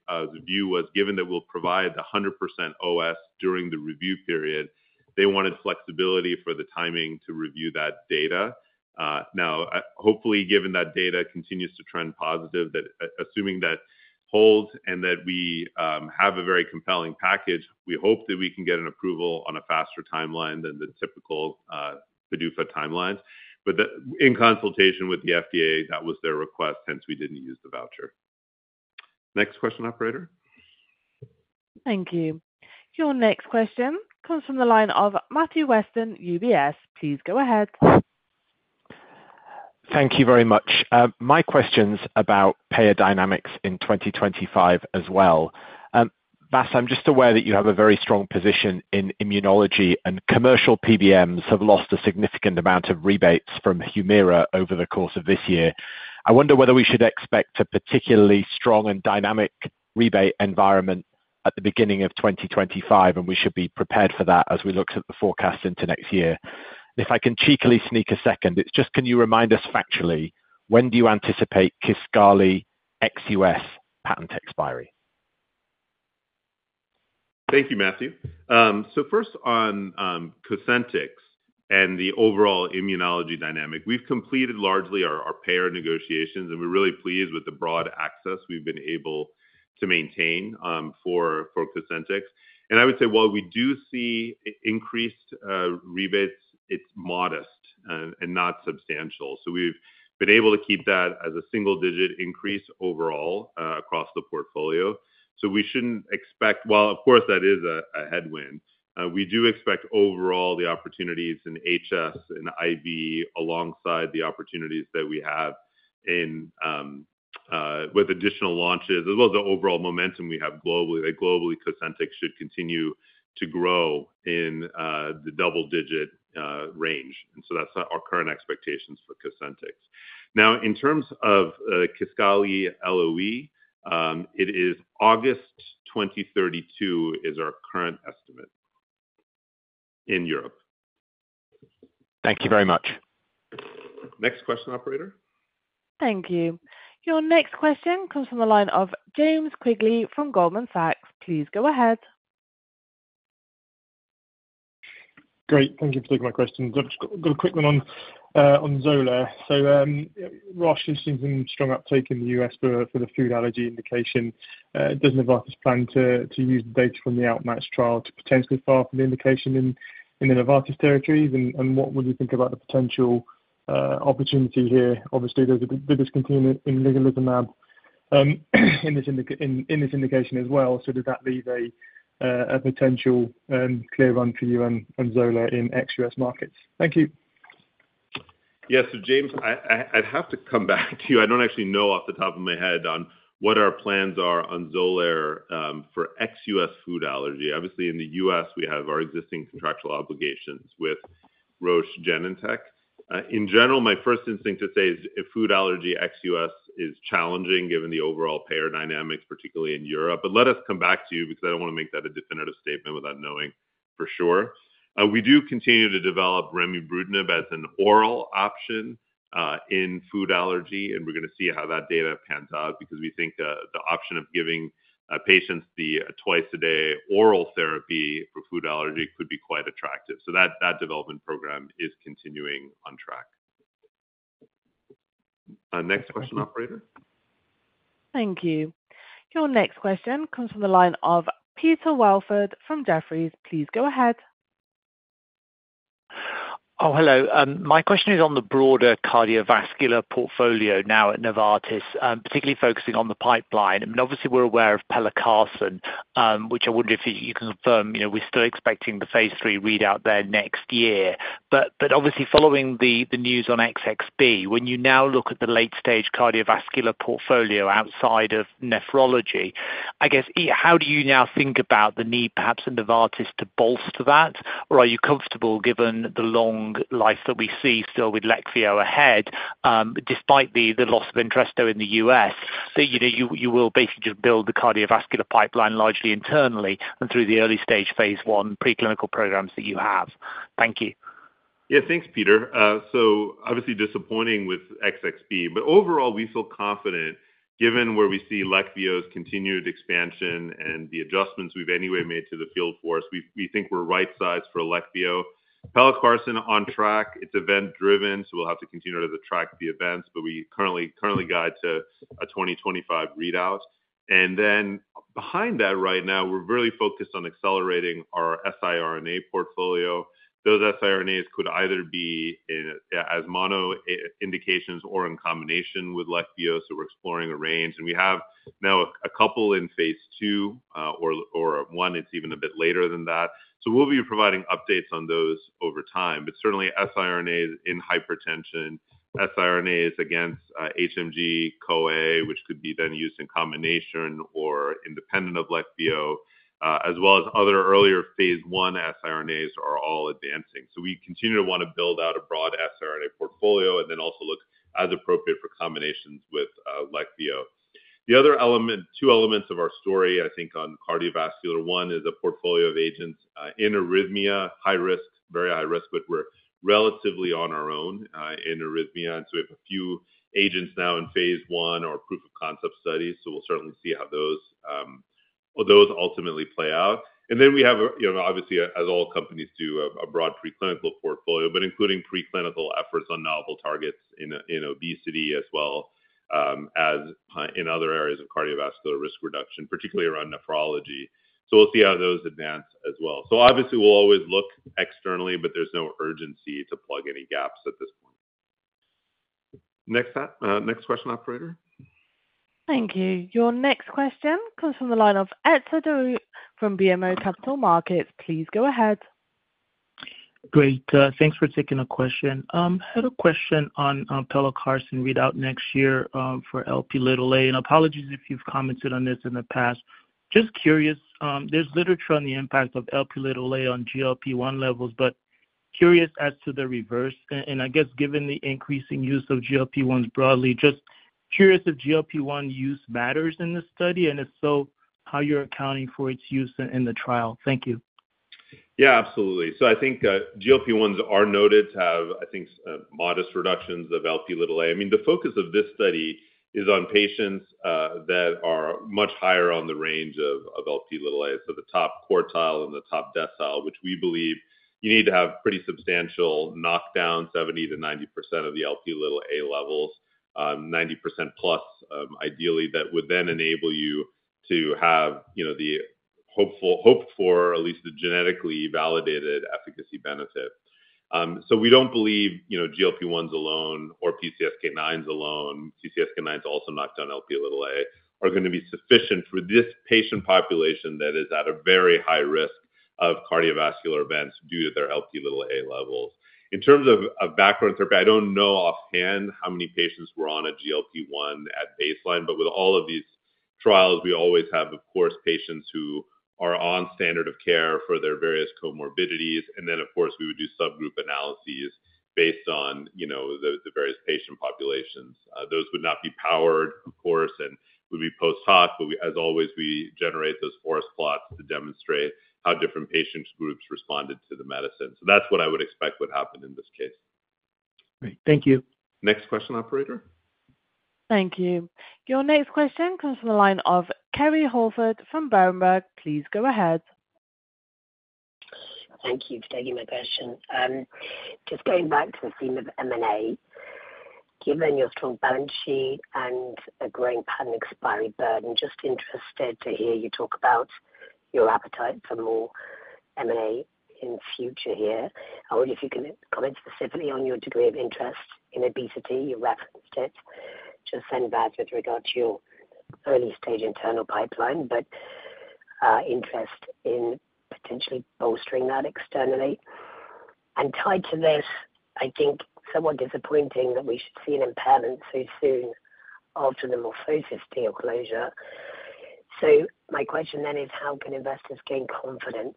FDA's view was given that we'll provide 100% OS during the review period. They wanted flexibility for the timing to review that data. Now, hopefully, given that data continues to trend positive, assuming that holds and that we have a very compelling package, we hope that we can get an approval on a faster timeline than the typical PDUFA timelines. But in consultation with the FDA, that was their request, hence we didn't use the voucher. Next question, Operator. Thank you. Your next question comes from the line of Matthew Weston, UBS. Please go ahead. Thank you very much. My question's about payer dynamics in 2025 as well. Vas, I'm just aware that you have a very strong position in immunology and commercial PBMs have lost a significant amount of rebates from Humira over the course of this year. I wonder whether we should expect a particularly strong and dynamic rebate environment at the beginning of 2025, and we should be prepared for that as we look at the forecast into next year. If I can cheekily sneak a second, it's just, can you remind us factually, when do you anticipate Kisqali ex U.S. patent expiry? Thank you, Matthew. So first on Cosentyx and the overall immunology dynamic, we've completed largely our payer negotiations, and we're really pleased with the broad access we've been able to maintain for Cosentyx. And I would say while we do see increased rebates, it's modest and not substantial. So we've been able to keep that as a single-digit increase overall across the portfolio. So we shouldn't expect, well, of course, that is a headwind. We do expect overall the opportunities in HS and IV alongside the opportunities that we have with additional launches, as well as the overall momentum we have globally. Globally, Cosentyx should continue to grow in the double-digit range. And so that's our current expectations for Cosentyx. Now, in terms of Kisqali LOE, it is August 2032 is our current estimate in Europe. Thank you very much. Next question, Operator. Thank you. Your next question comes from the line of James Quigley from Goldman Sachs. Please go ahead. Great. Thank you for taking my question. I've got a quick one on Xolair. So Roche is seeing some strong uptake in the U.S. for the food allergy indication. Does Novartis plan to use the data from the Outmatch trial to potentially file for the indication in the Novartis territories? And what would you think about the potential opportunity here? Obviously, there's a big discontinuation in Ligelizumab in this indication as well. So does that leave a potential clear run for you and Xolair in ex-U.S. markets? Thank you. Yeah, so James, I'd have to come back to you. I don't actually know off the top of my head on what our plans are on Xolair for ex-U.S. food allergy. Obviously, in the U.S., we have our existing contractual obligations with Roche Genentech. In general, my first instinct to say is food allergy ex-U.S. is challenging given the overall payer dynamics, particularly in Europe. But let us come back to you because I don't want to make that a definitive statement without knowing for sure. We do continue to develop Remibrutinib as an oral option in food allergy, and we're going to see how that data pans out because we think the option of giving patients the twice-a-day oral therapy for food allergy could be quite attractive. So that development program is continuing on track. Next question, Operator. Thank you. Your next question comes from the line of Peter Welford from Jefferies. Please go ahead. Oh, hello. My question is on the broader cardiovascular portfolio now at Novartis, particularly focusing on the pipeline. I mean, obviously, we're aware of Pelacarsen, which I wonder if you can confirm we're still expecting the phase three readout there next year. But obviously, following the news on XXB, when you now look at the late-stage cardiovascular portfolio outside of nephrology, I guess, how do you now think about the need perhaps in Novartis to bolster that? Or are you comfortable given the long life that we see still with Leqvio ahead despite the loss of Entresto in the U.S.? So you will basically just build the cardiovascular pipeline largely internally and through the early-stage phase one preclinical programs that you have. Thank you. Yeah, thanks, Peter. Obviously disappointing with XXB, but overall, we feel confident given where we see Leqvio's continued expansion and the adjustments we've anyway made to the field for us. We think we're right-sized for Leqvio. Pelacarsen on track. It's event-driven, so we'll have to continue to track the events, but we currently guide to a 2025 readout. Then behind that right now, we're really focused on accelerating our siRNA portfolio. Those siRNAs could either be as mono indications or in combination with Leqvio, so we're exploring a range. And we have now a couple in phase two or one. It's even a bit later than that. We'll be providing updates on those over time. Certainly, siRNAs in hypertension, siRNAs against HMG-CoA, which could be then used in combination or independent of Leqvio, as well as other earlier phase one siRNAs are all advancing. We continue to want to build out a broad siRNA portfolio and then also look as appropriate for combinations with Leqvio. The other element, two elements of our story, I think on cardiovascular, one is a portfolio of agents in arrhythmia, high risk, very high risk, but we're relatively on our own in arrhythmia. And so we have a few agents now in phase one or proof of concept studies. We'll certainly see how those ultimately play out. And then we have, obviously, as all companies do, a broad preclinical portfolio, but including preclinical efforts on novel targets in obesity as well as in other areas of cardiovascular risk reduction, particularly around nephrology. We'll see how those advance as well. Obviously, we'll always look externally, but there's no urgency to plug any gaps at this point. Next question, Operator. Thank you. Your next question comes from the line of Etzer Darout from BMO Capital Markets. Please go ahead. Great. Thanks for taking a question. I had a question on Pelacarsen readout next year for Lp(a) and apologies if you've commented on this in the past. Just curious, there's literature on the impact of Lp(a) on GLP-1 levels, but curious as to the reverse. And I guess given the increasing use of GLP-1s broadly, just curious if GLP-1 use matters in this study and if so, how you're accounting for its use in the trial. Thank you. Yeah, absolutely. So I think GLP-1s are noted to have, I think, modest reductions of Lp(a). I mean, the focus of this study is on patients that are much higher on the range of Lp(a), so the top quartile and the top decile, which we believe you need to have pretty substantial knockdown, 70%-90% of the Lp(a) levels, 90% plus, ideally, that would then enable you to have the hoped for, at least the genetically validated efficacy benefit. So we don't believe GLP-1s alone or PCSK9s alone. PCSK9s, also knock down Lp(a), are going to be sufficient for this patient population that is at a very high risk of cardiovascular events due to their Lp(a) levels. In terms of background therapy, I don't know offhand how many patients were on a GLP-1 at baseline, but with all of these trials, we always have, of course, patients who are on standard of care for their various comorbidities. And then, of course, we would do subgroup analyses based on the various patient populations. Those would not be powered, of course, and would be post-hoc. But as always, we generate those forest plots to demonstrate how different patient groups responded to the medicine. So that's what I would expect would happen in this case. Great. Thank you. Next question, Operator. Thank you. Your next question comes from the line of Kerry Holford from Berenberg. Please go ahead. Thank you for taking my question. Just going back to the theme of M&A, given your strong balance sheet and a growing patent expiry burden, just interested to hear you talk about your appetite for more M&A in future here. I wonder if you can comment specifically on your degree of interest in obesity. You referenced it. Just to note that with regard to your early-stage internal pipeline, and interest in potentially bolstering that externally. Tied to this, I think it is somewhat disappointing that we should see an impairment so soon after the MorphoSys deal closure. My question then is, how can investors gain confidence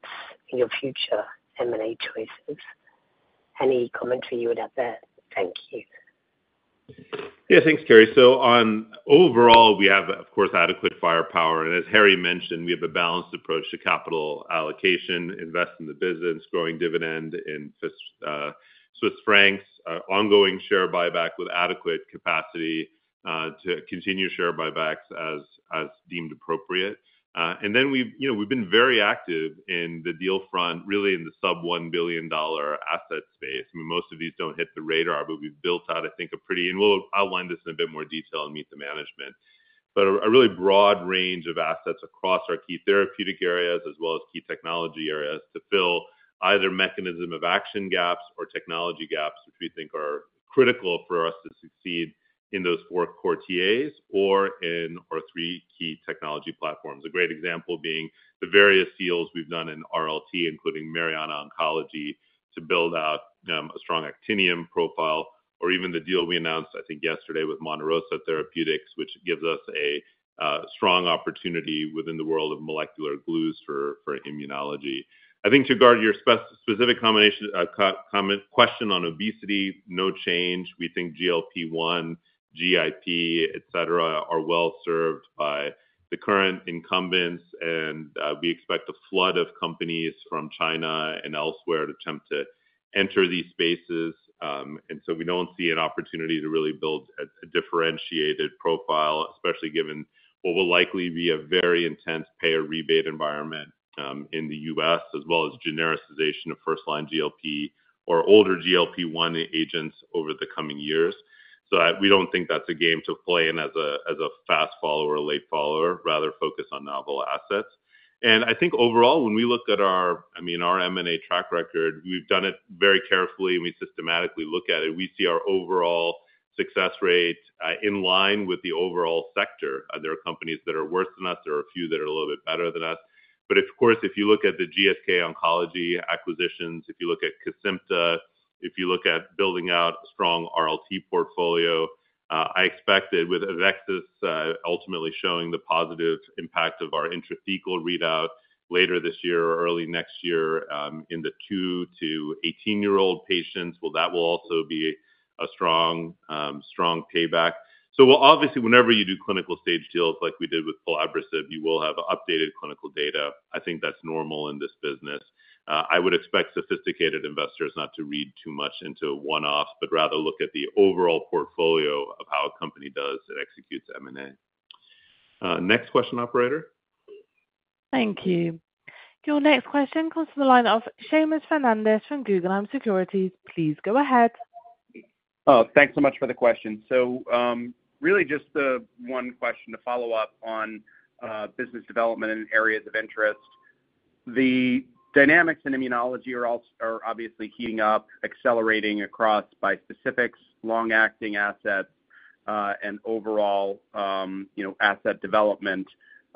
in your future M&A choices? Any commentary you would have there? Thank you. Yeah, thanks, Kerry. Overall, we have, of course, adequate firepower. As Harry mentioned, we have a balanced approach to capital allocation, invest in the business, growing dividend in Swiss francs, ongoing share buyback with adequate capacity to continue share buybacks as deemed appropriate. Then we've been very active in the deal front, really in the sub-$1 billion asset space. I mean, most of these don't hit the radar, but we've built out, I think, a pretty—and we'll outline this in a bit more detail and meet the management—but a really broad range of assets across our key therapeutic areas as well as key technology areas to fill either mechanism of action gaps or technology gaps, which we think are critical for us to succeed in those four quadrants or in our three key technology platforms. A great example being the various deals we've done in RLT, including Mariana Oncology, to build out a strong actinium profile, or even the deal we announced, I think, yesterday with Monte Rosa Therapeutics, which gives us a strong opportunity within the world of molecular glues for immunology. I think, regarding your specific comment question on obesity, no change. We think GLP-1, GIP, etc., are well served by the current incumbents, and we expect a flood of companies from China and elsewhere to attempt to enter these spaces, and so we don't see an opportunity to really build a differentiated profile, especially given what will likely be a very intense payer rebate environment in the U.S., as well as genericization of first-line GLP or older GLP-1 agents over the coming years, so we don't think that's a game to play in as a fast follower, late follower, rather focus on novel assets, and I think overall, when we look at our—I mean, our M&A track record, we've done it very carefully, and we systematically look at it. We see our overall success rate in line with the overall sector. There are companies that are worse than us. There are a few that are a little bit better than us. But of course, if you look at the GSK oncology acquisitions, if you look at Kesimpta, if you look at building out a strong RLT portfolio, I expect that with AveXis ultimately showing the positive impact of our intrathecal readout later this year or early next year in the 2- to 18-year-old patients, well, that will also be a strong payback. So obviously, whenever you do clinical stage deals like we did with Pelacarsen, you will have updated clinical data. I think that's normal in this business. I would expect sophisticated investors not to read too much into one-offs, but rather look at the overall portfolio of how a company does and executes M&A. Next question, Operator. Thank you. Your next question comes from the line of Seamus Fernandez from Guggenheim Securities. Please go ahead. Oh, thanks so much for the question. So really just one question to follow up on business development in areas of interest. The dynamics in immunology are obviously heating up, accelerating across bispecifics, long-acting assets, and overall asset development.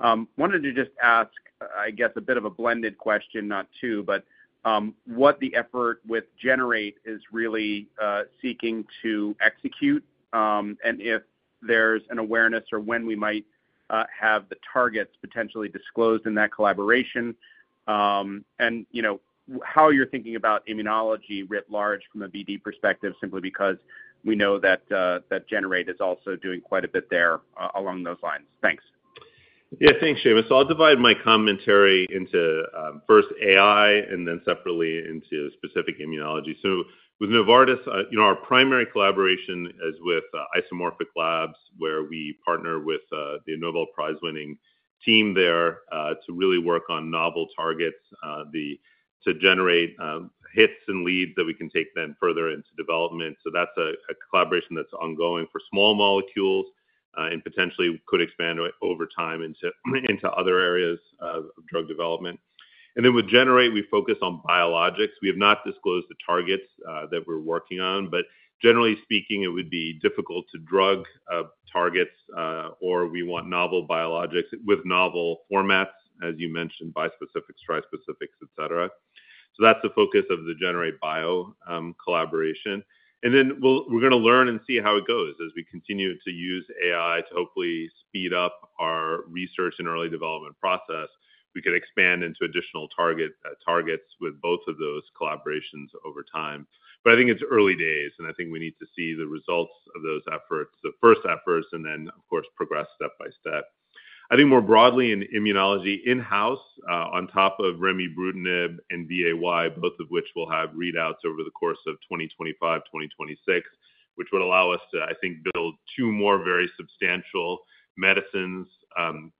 Wanted to just ask, I guess, a bit of a blended question, not two, but what the effort with Generate is really seeking to execute and if there's an awareness or when we might have the targets potentially disclosed in that collaboration and how you're thinking about immunology writ large from a BD perspective, simply because we know that Generate is also doing quite a bit there along those lines. Thanks. Yeah, thanks, Seamus. So I'll divide my commentary into first AI and then separately into specific immunology. So with Novartis, our primary collaboration is with Isomorphic Labs, where we partner with the Nobel Prize-winning team there to really work on novel targets to generate hits and leads that we can take then further into development. So that's a collaboration that's ongoing for small molecules and potentially could expand over time into other areas of drug development. And then with Generate, we focus on biologics. We have not disclosed the targets that we're working on, but generally speaking, it would be difficult to drug targets or we want novel biologics with novel formats, as you mentioned, bispecifics, trispecifics, etc. So that's the focus of the Generate-Bio collaboration. And then we're going to learn and see how it goes as we continue to use AI to hopefully speed up our research and early development process. We could expand into additional targets with both of those collaborations over time. But I think it's early days, and I think we need to see the results of those efforts, the first efforts, and then, of course, progress step by step. I think more broadly in immunology in-house on top of remibrutinib and VAY, both of which will have readouts over the course of 2025, 2026, which would allow us to, I think, build two more very substantial medicines to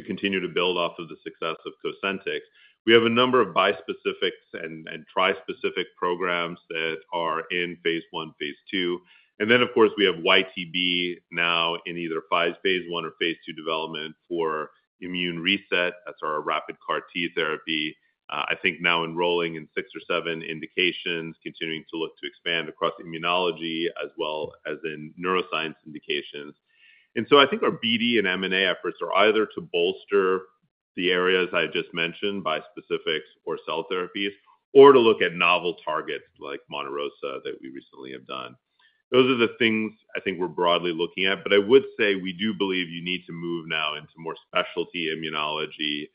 continue to build off of the success of Cosentyx. We have a number of bispecifics and trispecific programs that are in phase one, phase two. And then, of course, we have YTB now in either phase one or phase two development for immune reset. That's our rapid CAR-T therapy, I think now enrolling in six or seven indications, continuing to look to expand across immunology as well as in neuroscience indications. And so I think our BD and M&A efforts are either to bolster the areas I just mentioned, bispecifics or cell therapies, or to look at novel targets like Monte Rosa that we recently have done. Those are the things I think we're broadly looking at, but I would say we do believe you need to move now into more specialty immunology,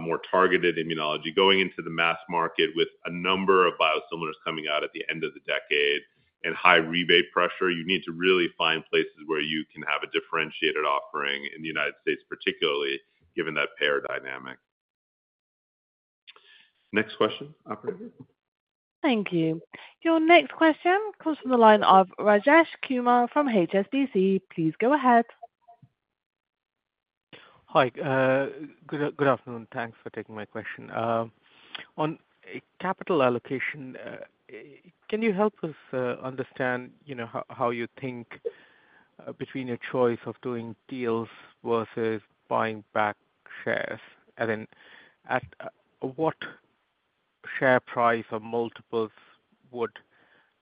more targeted immunology, going into the mass market with a number of biosimilars coming out at the end of the decade and high rebate pressure. You need to really find places where you can have a differentiated offering in the United States, particularly given that payer dynamic. Next question, Operator. Thank you. Your next question comes from the line of Rajesh Kumar from HSBC. Please go ahead. Hi. Good afternoon. Thanks for taking my question. On capital allocation, can you help us understand how you think between your choice of doing deals versus buying back shares? And then at what share price or multiples would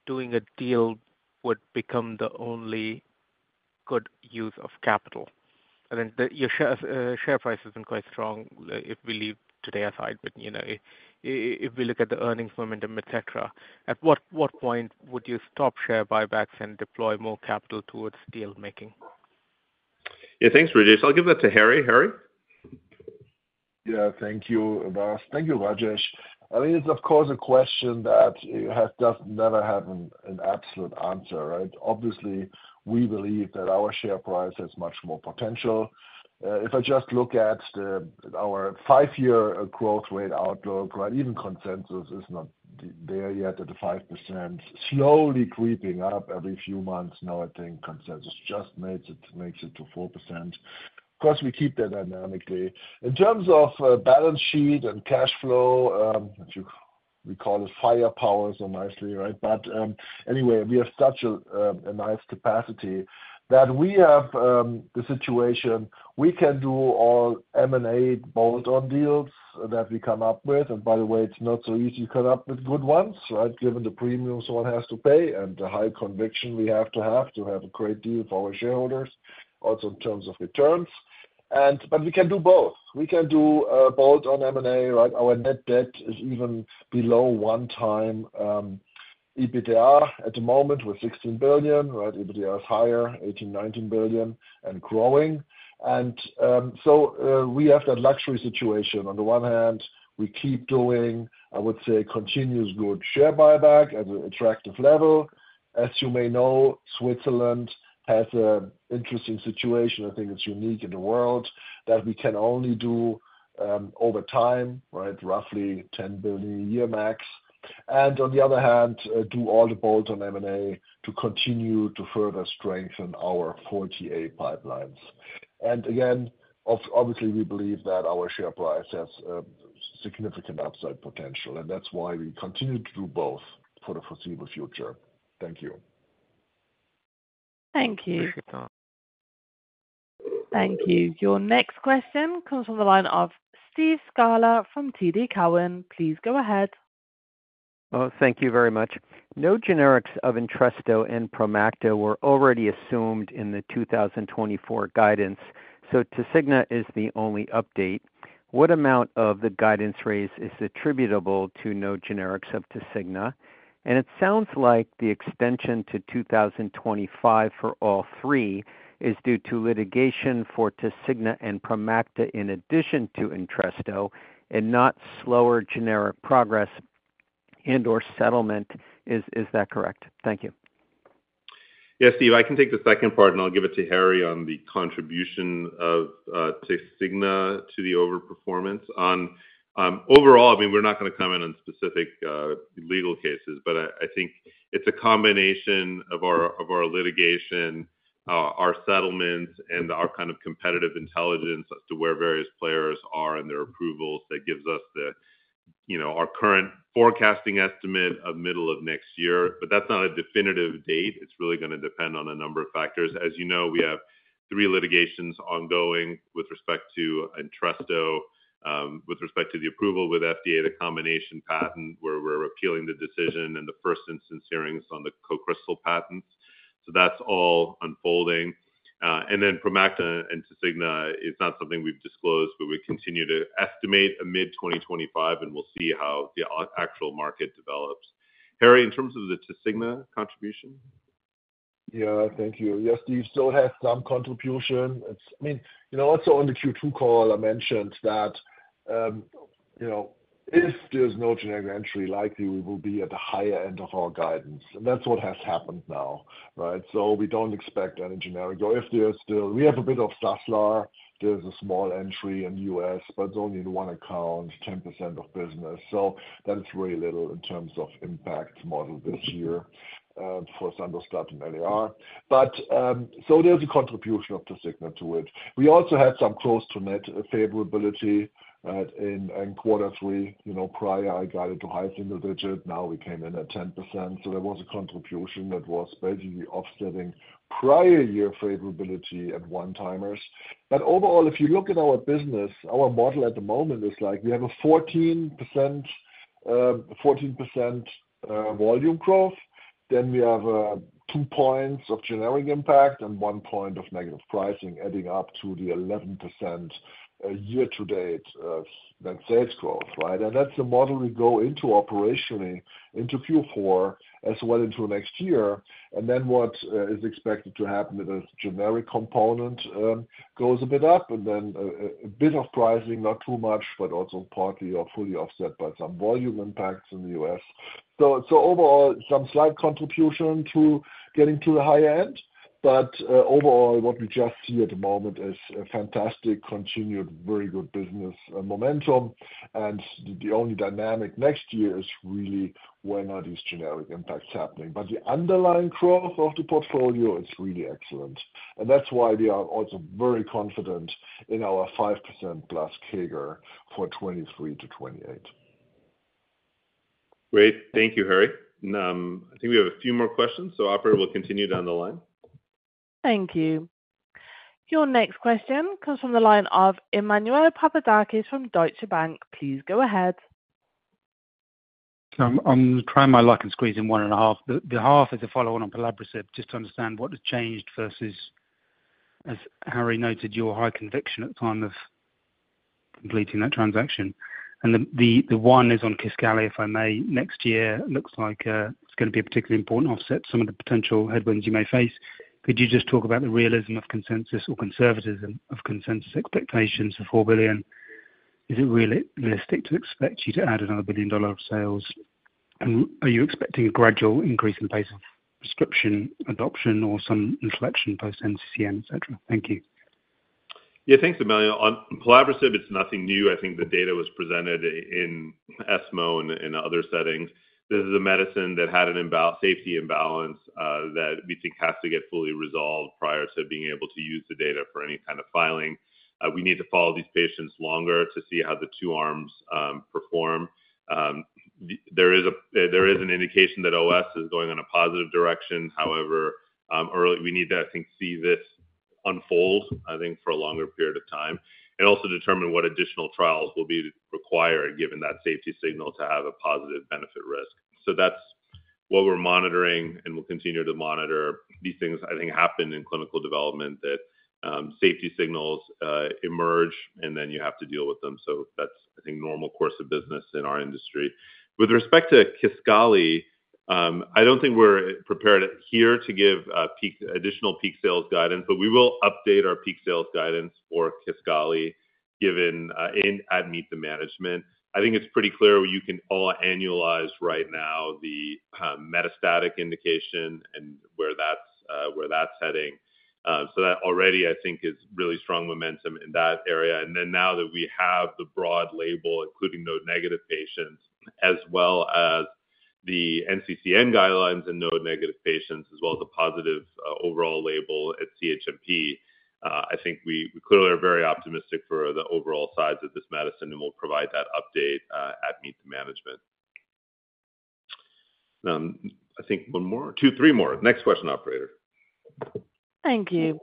doing a deal become the only good use of capital? I think your share price has been quite strong, if we leave today aside, but if we look at the earnings momentum, etc., at what point would you stop share buybacks and deploy more capital towards dealmaking? Yeah, thanks, Rajesh. I'll give that to Harry. Harry? Yeah, thank you, Vas. Thank you, Rajesh. I mean, it's, of course, a question that does never have an absolute answer, right? Obviously, we believe that our share price has much more potential. If I just look at our five-year growth rate outlook, right, even consensus is not there yet at the 5%, slowly creeping up every few months now. I think consensus just makes it to 4%. Of course, we keep that dynamically. In terms of balance sheet and cash flow, we call it firepower so nicely, right? But anyway, we have such a nice capacity that we have the situation we can do all M&A bolt-on deals that we come up with. And by the way, it's not so easy to come up with good ones, right? Given the premiums one has to pay and the high conviction we have to have to have a great deal for our shareholders, also in terms of returns. But we can do both. We can do bolt-on M&A, right? Our net debt is even below one times EBITDA at the moment with 16 billion, right? EBITDA is higher, 18-19 billion, and growing. And so we have that luxury situation. On the one hand, we keep doing, I would say, continuous good share buyback at an attractive level. As you may know, Switzerland has an interesting situation. I think it's unique in the world that we can only do over time, right? Roughly 10 billion a year max. And on the other hand, do all the bolt-on M&A to continue to further strengthen our 48 pipelines. And again, obviously, we believe that our share price has significant upside potential, and that's why we continue to do both for the foreseeable future. Thank you. Thank you. Thank you. Your next question comes from the line of Steve Scala from TD Cowen. Please go ahead. Oh, thank you very much. No generics of Entresto and Promacta were already assumed in the 2024 guidance, so Tasigna is the only update. What amount of the guidance raise is attributable to no generics of Tasigna? And it sounds like the extension to 2025 for all three is due to litigation for Tasigna and Promacta in addition to Entresto and not slower generic progress and/or settlement. Is that correct? Thank you. Yeah, Steve, I can take the second part, and I'll give it to Harry on the contribution of Tasigna to the overperformance. Overall, I mean, we're not going to comment on specific legal cases, but I think it's a combination of our litigation, our settlements, and our kind of competitive intelligence as to where various players are and their approvals that gives us our current forecasting estimate of middle of next year. But that's not a definitive date. It's really going to depend on a number of factors. As you know, we have three litigations ongoing with respect to Entresto, with respect to the approval with FDA, the combination patent where we're appealing the decision, and the first instance hearings on the Co-Crystal patents. So that's all unfolding, and then Promacta and Tasigna, it's not something we've disclosed, but we continue to estimate mid 2025, and we'll see how the actual market develops. Harry, in terms of the Tasigna contribution? Yeah, thank you. Yes, you still have some contribution. I mean, also on the Q2 call, I mentioned that if there's no generic entry, likely we will be at the higher end of our guidance, and that's what has happened now, right? So we don't expect any generic or if there's still, we have a bit of Sandostatin LAR. There's a small entry in the U.S., but it's only in one account, 10% of business. So that's very little in terms of impact model this year for Sandoz and LAR. But so there's a contribution of Tasigna to it. We also had some gross-to-net favorability in quarter three. Prior, I guided to high single digit. Now we came in at 10%. So there was a contribution that was basically offsetting prior year favorability at one-timers. But overall, if you look at our business, our model at the moment is like we have a 14% volume growth, then we have two points of generic impact and one point of negative pricing adding up to the 11% year-to-date sales growth, right? And that's the model we go into operationally into Q4 as well into next year. And then what is expected to happen with the generic component goes a bit up and then a bit of pricing, not too much, but also partly or fully offset by some volume impacts in the U.S. So overall, some slight contribution to getting to the higher end. But overall, what we just see at the moment is a fantastic continued very good business momentum. And the only dynamic next year is really when are these generic impacts happening. But the underlying growth of the portfolio is really excellent. And that's why we are also very confident in our 5% plus CAGR for 2023 to 2028. Great. Thank you, Harry. I think we have a few more questions. So Operator will continue down the line. Thank you. Your next question comes from the line of Emmanuel Papadakis from Deutsche Bank. Please go ahead. I'm trying my luck and squeezing one and a half. The half is a follow-on on Pluvicto just to understand what has changed versus, as Harry noted, your high conviction at the time of completing that transaction. And the one is on Kisqali, if I may. Next year, it looks like it's going to be a particularly important offset, some of the potential headwinds you may face. Could you just talk about the realism of consensus or conservatism of consensus expectations for $4 billion? Is it realistic to expect you to add another billion dollars of sales? And are you expecting a gradual increase in pace of prescription adoption or some inflection post-NCCN, etc.? Thank you. Yeah, thanks, Emmanuel. Pluvicto, it's nothing new. I think the data was presented in ESMO and other settings. This is a medicine that had a safety imbalance that we think has to get fully resolved prior to being able to use the data for any kind of filing. We need to follow these patients longer to see how the two arms perform. There is an indication that OS is going in a positive direction. However, we need to, I think, see this unfold, I think, for a longer period of time and also determine what additional trials will be required given that safety signal to have a positive benefit risk. So that's what we're monitoring, and we'll continue to monitor. These things, I think, happen in clinical development that safety signals emerge, and then you have to deal with them. So that's, I think, normal course of business in our industry. With respect to Kisqali, I don't think we're prepared here to give additional peak sales guidance, but we will update our peak sales guidance for Kisqali given and at Meet Novartis Management. I think it's pretty clear you can all annualize right now the metastatic indication and where that's heading. So that already, I think, is really strong momentum in that area. And then now that we have the broad label, including node-negative patients, as well as the NCCN guidelines and node-negative patients, as well as the positive overall label at CHMP, I think we clearly are very optimistic for the overall size of this medicine and will provide that update at Meet Novartis Management. I think one more, two, three more. Next question, Operator. Thank you.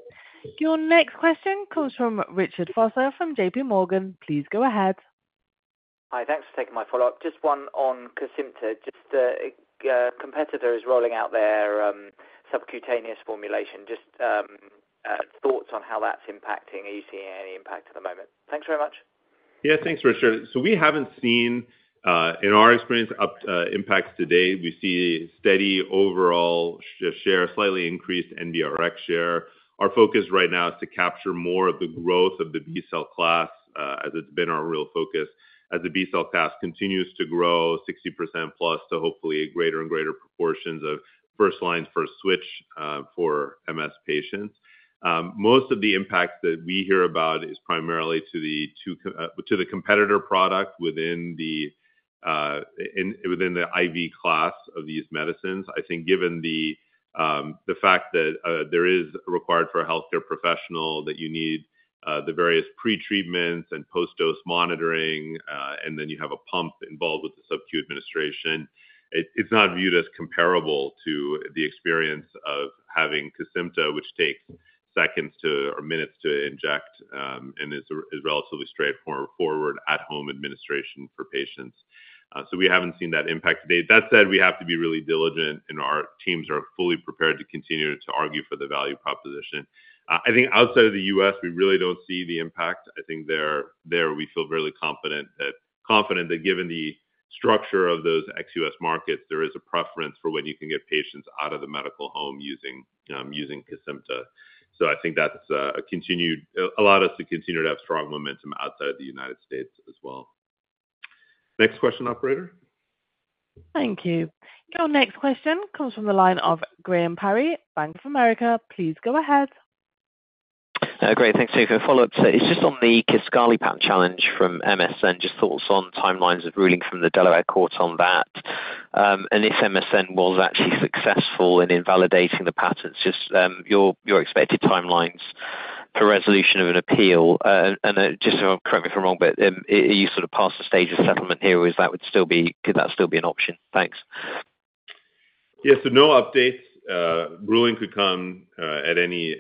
Your next question comes from Richard Foster from JP Morgan. Please go ahead. Hi, thanks for taking my follow-up. Just one on Kesimpta. Just a competitor is rolling out their subcutaneous formulation. Just thoughts on how that's impacting? Are you seeing any impact at the moment? Thanks very much. Yeah, thanks, Richard. So we haven't seen, in our experience, impacts to date. We see steady overall share, slightly increased NBRX share. Our focus right now is to capture more of the growth of the B-cell class as it's been our real focus. As the B-cell class continues to grow 60% plus to hopefully greater and greater proportions of first line, first switch for MS patients. Most of the impact that we hear about is primarily to the competitor product within the IV class of these medicines. I think given the fact that there is required for a healthcare professional that you need the various pretreatments and post-dose monitoring, and then you have a pump involved with the subQ administration, it's not viewed as comparable to the experience of having Kesimpta, which takes seconds or minutes to inject and is relatively straightforward at-home administration for patients. So we haven't seen that impact today. That said, we have to be really diligent, and our teams are fully prepared to continue to argue for the value proposition. I think outside of the U.S., we really don't see the impact. I think there we feel very confident that given the structure of those ex-U.S. markets, there is a preference for when you can get patients out of the medical home using Kesimpta. So I think that's continued to allow us to continue to have strong momentum outside of the United States as well. Next question, Operator. Thank you. Your next question comes from the line of Graham Parry, Bank of America. Please go ahead. Great. Thanks, David. Follow-up. It's just on the Kisqali patent challenge from MSN, just thoughts on timelines of ruling from the Delaware Court on that. And if MSN was actually successful in invalidating the patents, just your expected timelines for resolution of an appeal. And just correct me if I'm wrong, but are you sort of past the stage of settlement here, or is that would still be could that still be an option? Thanks. Yes, so no updates. Ruling could come at any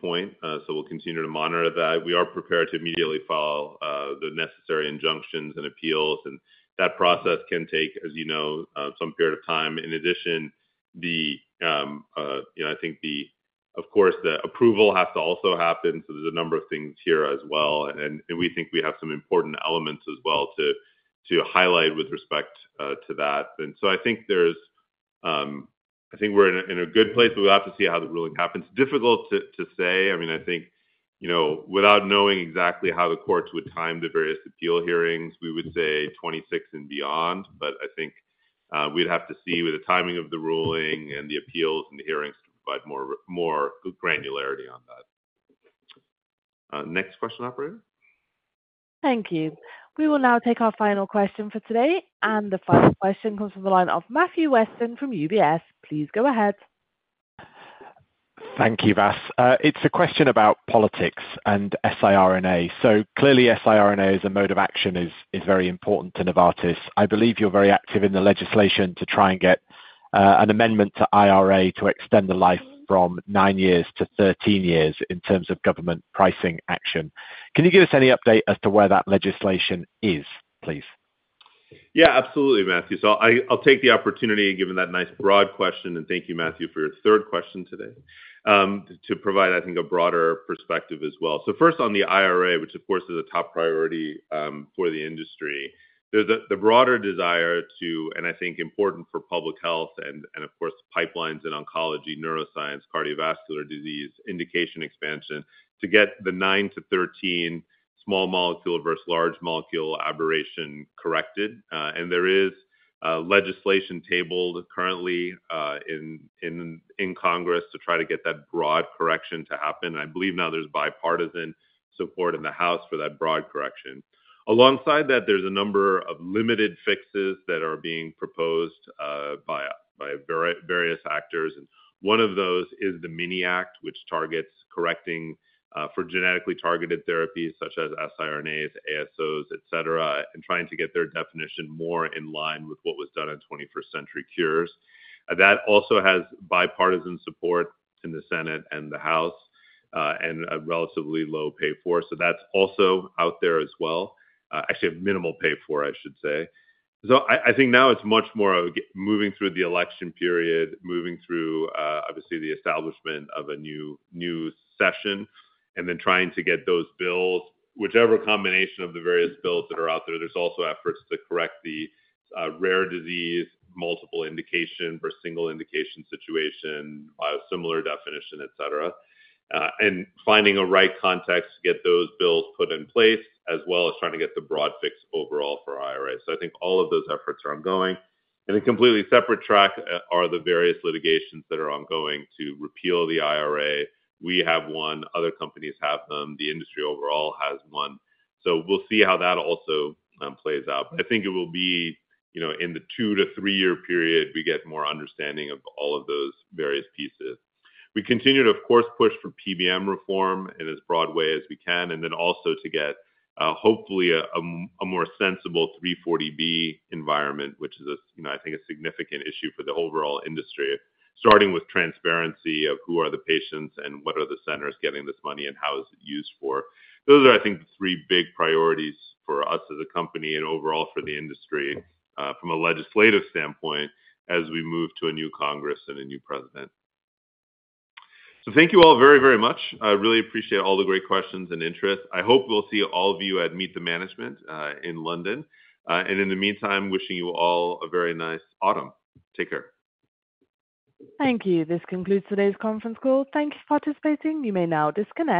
point, so we'll continue to monitor that. We are prepared to immediately file the necessary injunctions and appeals, and that process can take, as you know, some period of time. In addition, I think, of course, the approval has to also happen. So there's a number of things here as well. And we think we have some important elements as well to highlight with respect to that. And so I think we're in a good place, but we'll have to see how the ruling happens. Difficult to say. I mean, I think without knowing exactly how the courts would time the various appeal hearings, we would say 26 and beyond. But I think we'd have to see with the timing of the ruling and the appeals and the hearings to provide more granularity on that. Next question, Operator. Thank you. We will now take our final question for today. The final question comes from the line of Matthew Weston from UBS. Please go ahead. Thank you, Vas. It's a question about politics and siRNA. So clearly, siRNA as a mode of action is very important to Novartis. I believe you're very active in the legislation to try and get an amendment to IRA to extend the life from nine years to 13 years in terms of government pricing action. Can you give us any update as to where that legislation is, please? Yeah, absolutely, Matthew. So I'll take the opportunity, given that nice broad question, and thank you, Matthew, for your third question today, to provide, I think, a broader perspective as well. So first, on the IRA, which, of course, is a top priority for the industry, there's the broader desire to, and I think important for public health and, of course, pipelines in oncology, neuroscience, cardiovascular disease, indication expansion, to get the nine to 13 small molecule versus large molecule aberration corrected. And there is legislation tabled currently in Congress to try to get that broad correction to happen. I believe now there's bipartisan support in the House for that broad correction. Alongside that, there's a number of limited fixes that are being proposed by various actors. And one of those is the MINI Act, which targets correcting for genetically targeted therapies such as siRNAs, ASOs, etc., and trying to get their definition more in line with what was done in 21st Century Cures. That also has bipartisan support in the Senate and the House and a relatively low pay for. So that's also out there as well. Actually, minimal payoff, I should say. So I think now it's much more moving through the election period, moving through, obviously, the establishment of a new session, and then trying to get those bills, whichever combination of the various bills that are out there. There's also efforts to correct the rare disease, multiple indication versus single indication situation, similar definition, etc., and finding a right context to get those bills put in place, as well as trying to get the broad fix overall for IRA. So I think all of those efforts are ongoing. And a completely separate track are the various litigations that are ongoing to repeal the IRA. We have one. Other companies have them. The industry overall has one. So we'll see how that also plays out. I think it will be in the two- to three-year period, we get more understanding of all of those various pieces. We continue to, of course, push for PBM reform in as broad a way as we can, and then also to get, hopefully, a more sensible 340B environment, which is, I think, a significant issue for the overall industry, starting with transparency of who are the patients and what are the centers getting this money and how is it used for. Those are, I think, the three big priorities for us as a company and overall for the industry from a legislative standpoint as we move to a new Congress and a new president. So thank you all very, very much. I really appreciate all the great questions and interest. I hope we'll see all of you at Meet the Management in London. In the meantime, wishing you all a very nice autumn. Take care. Thank you. This concludes today's conference call. Thank you for participating. You may now disconnect.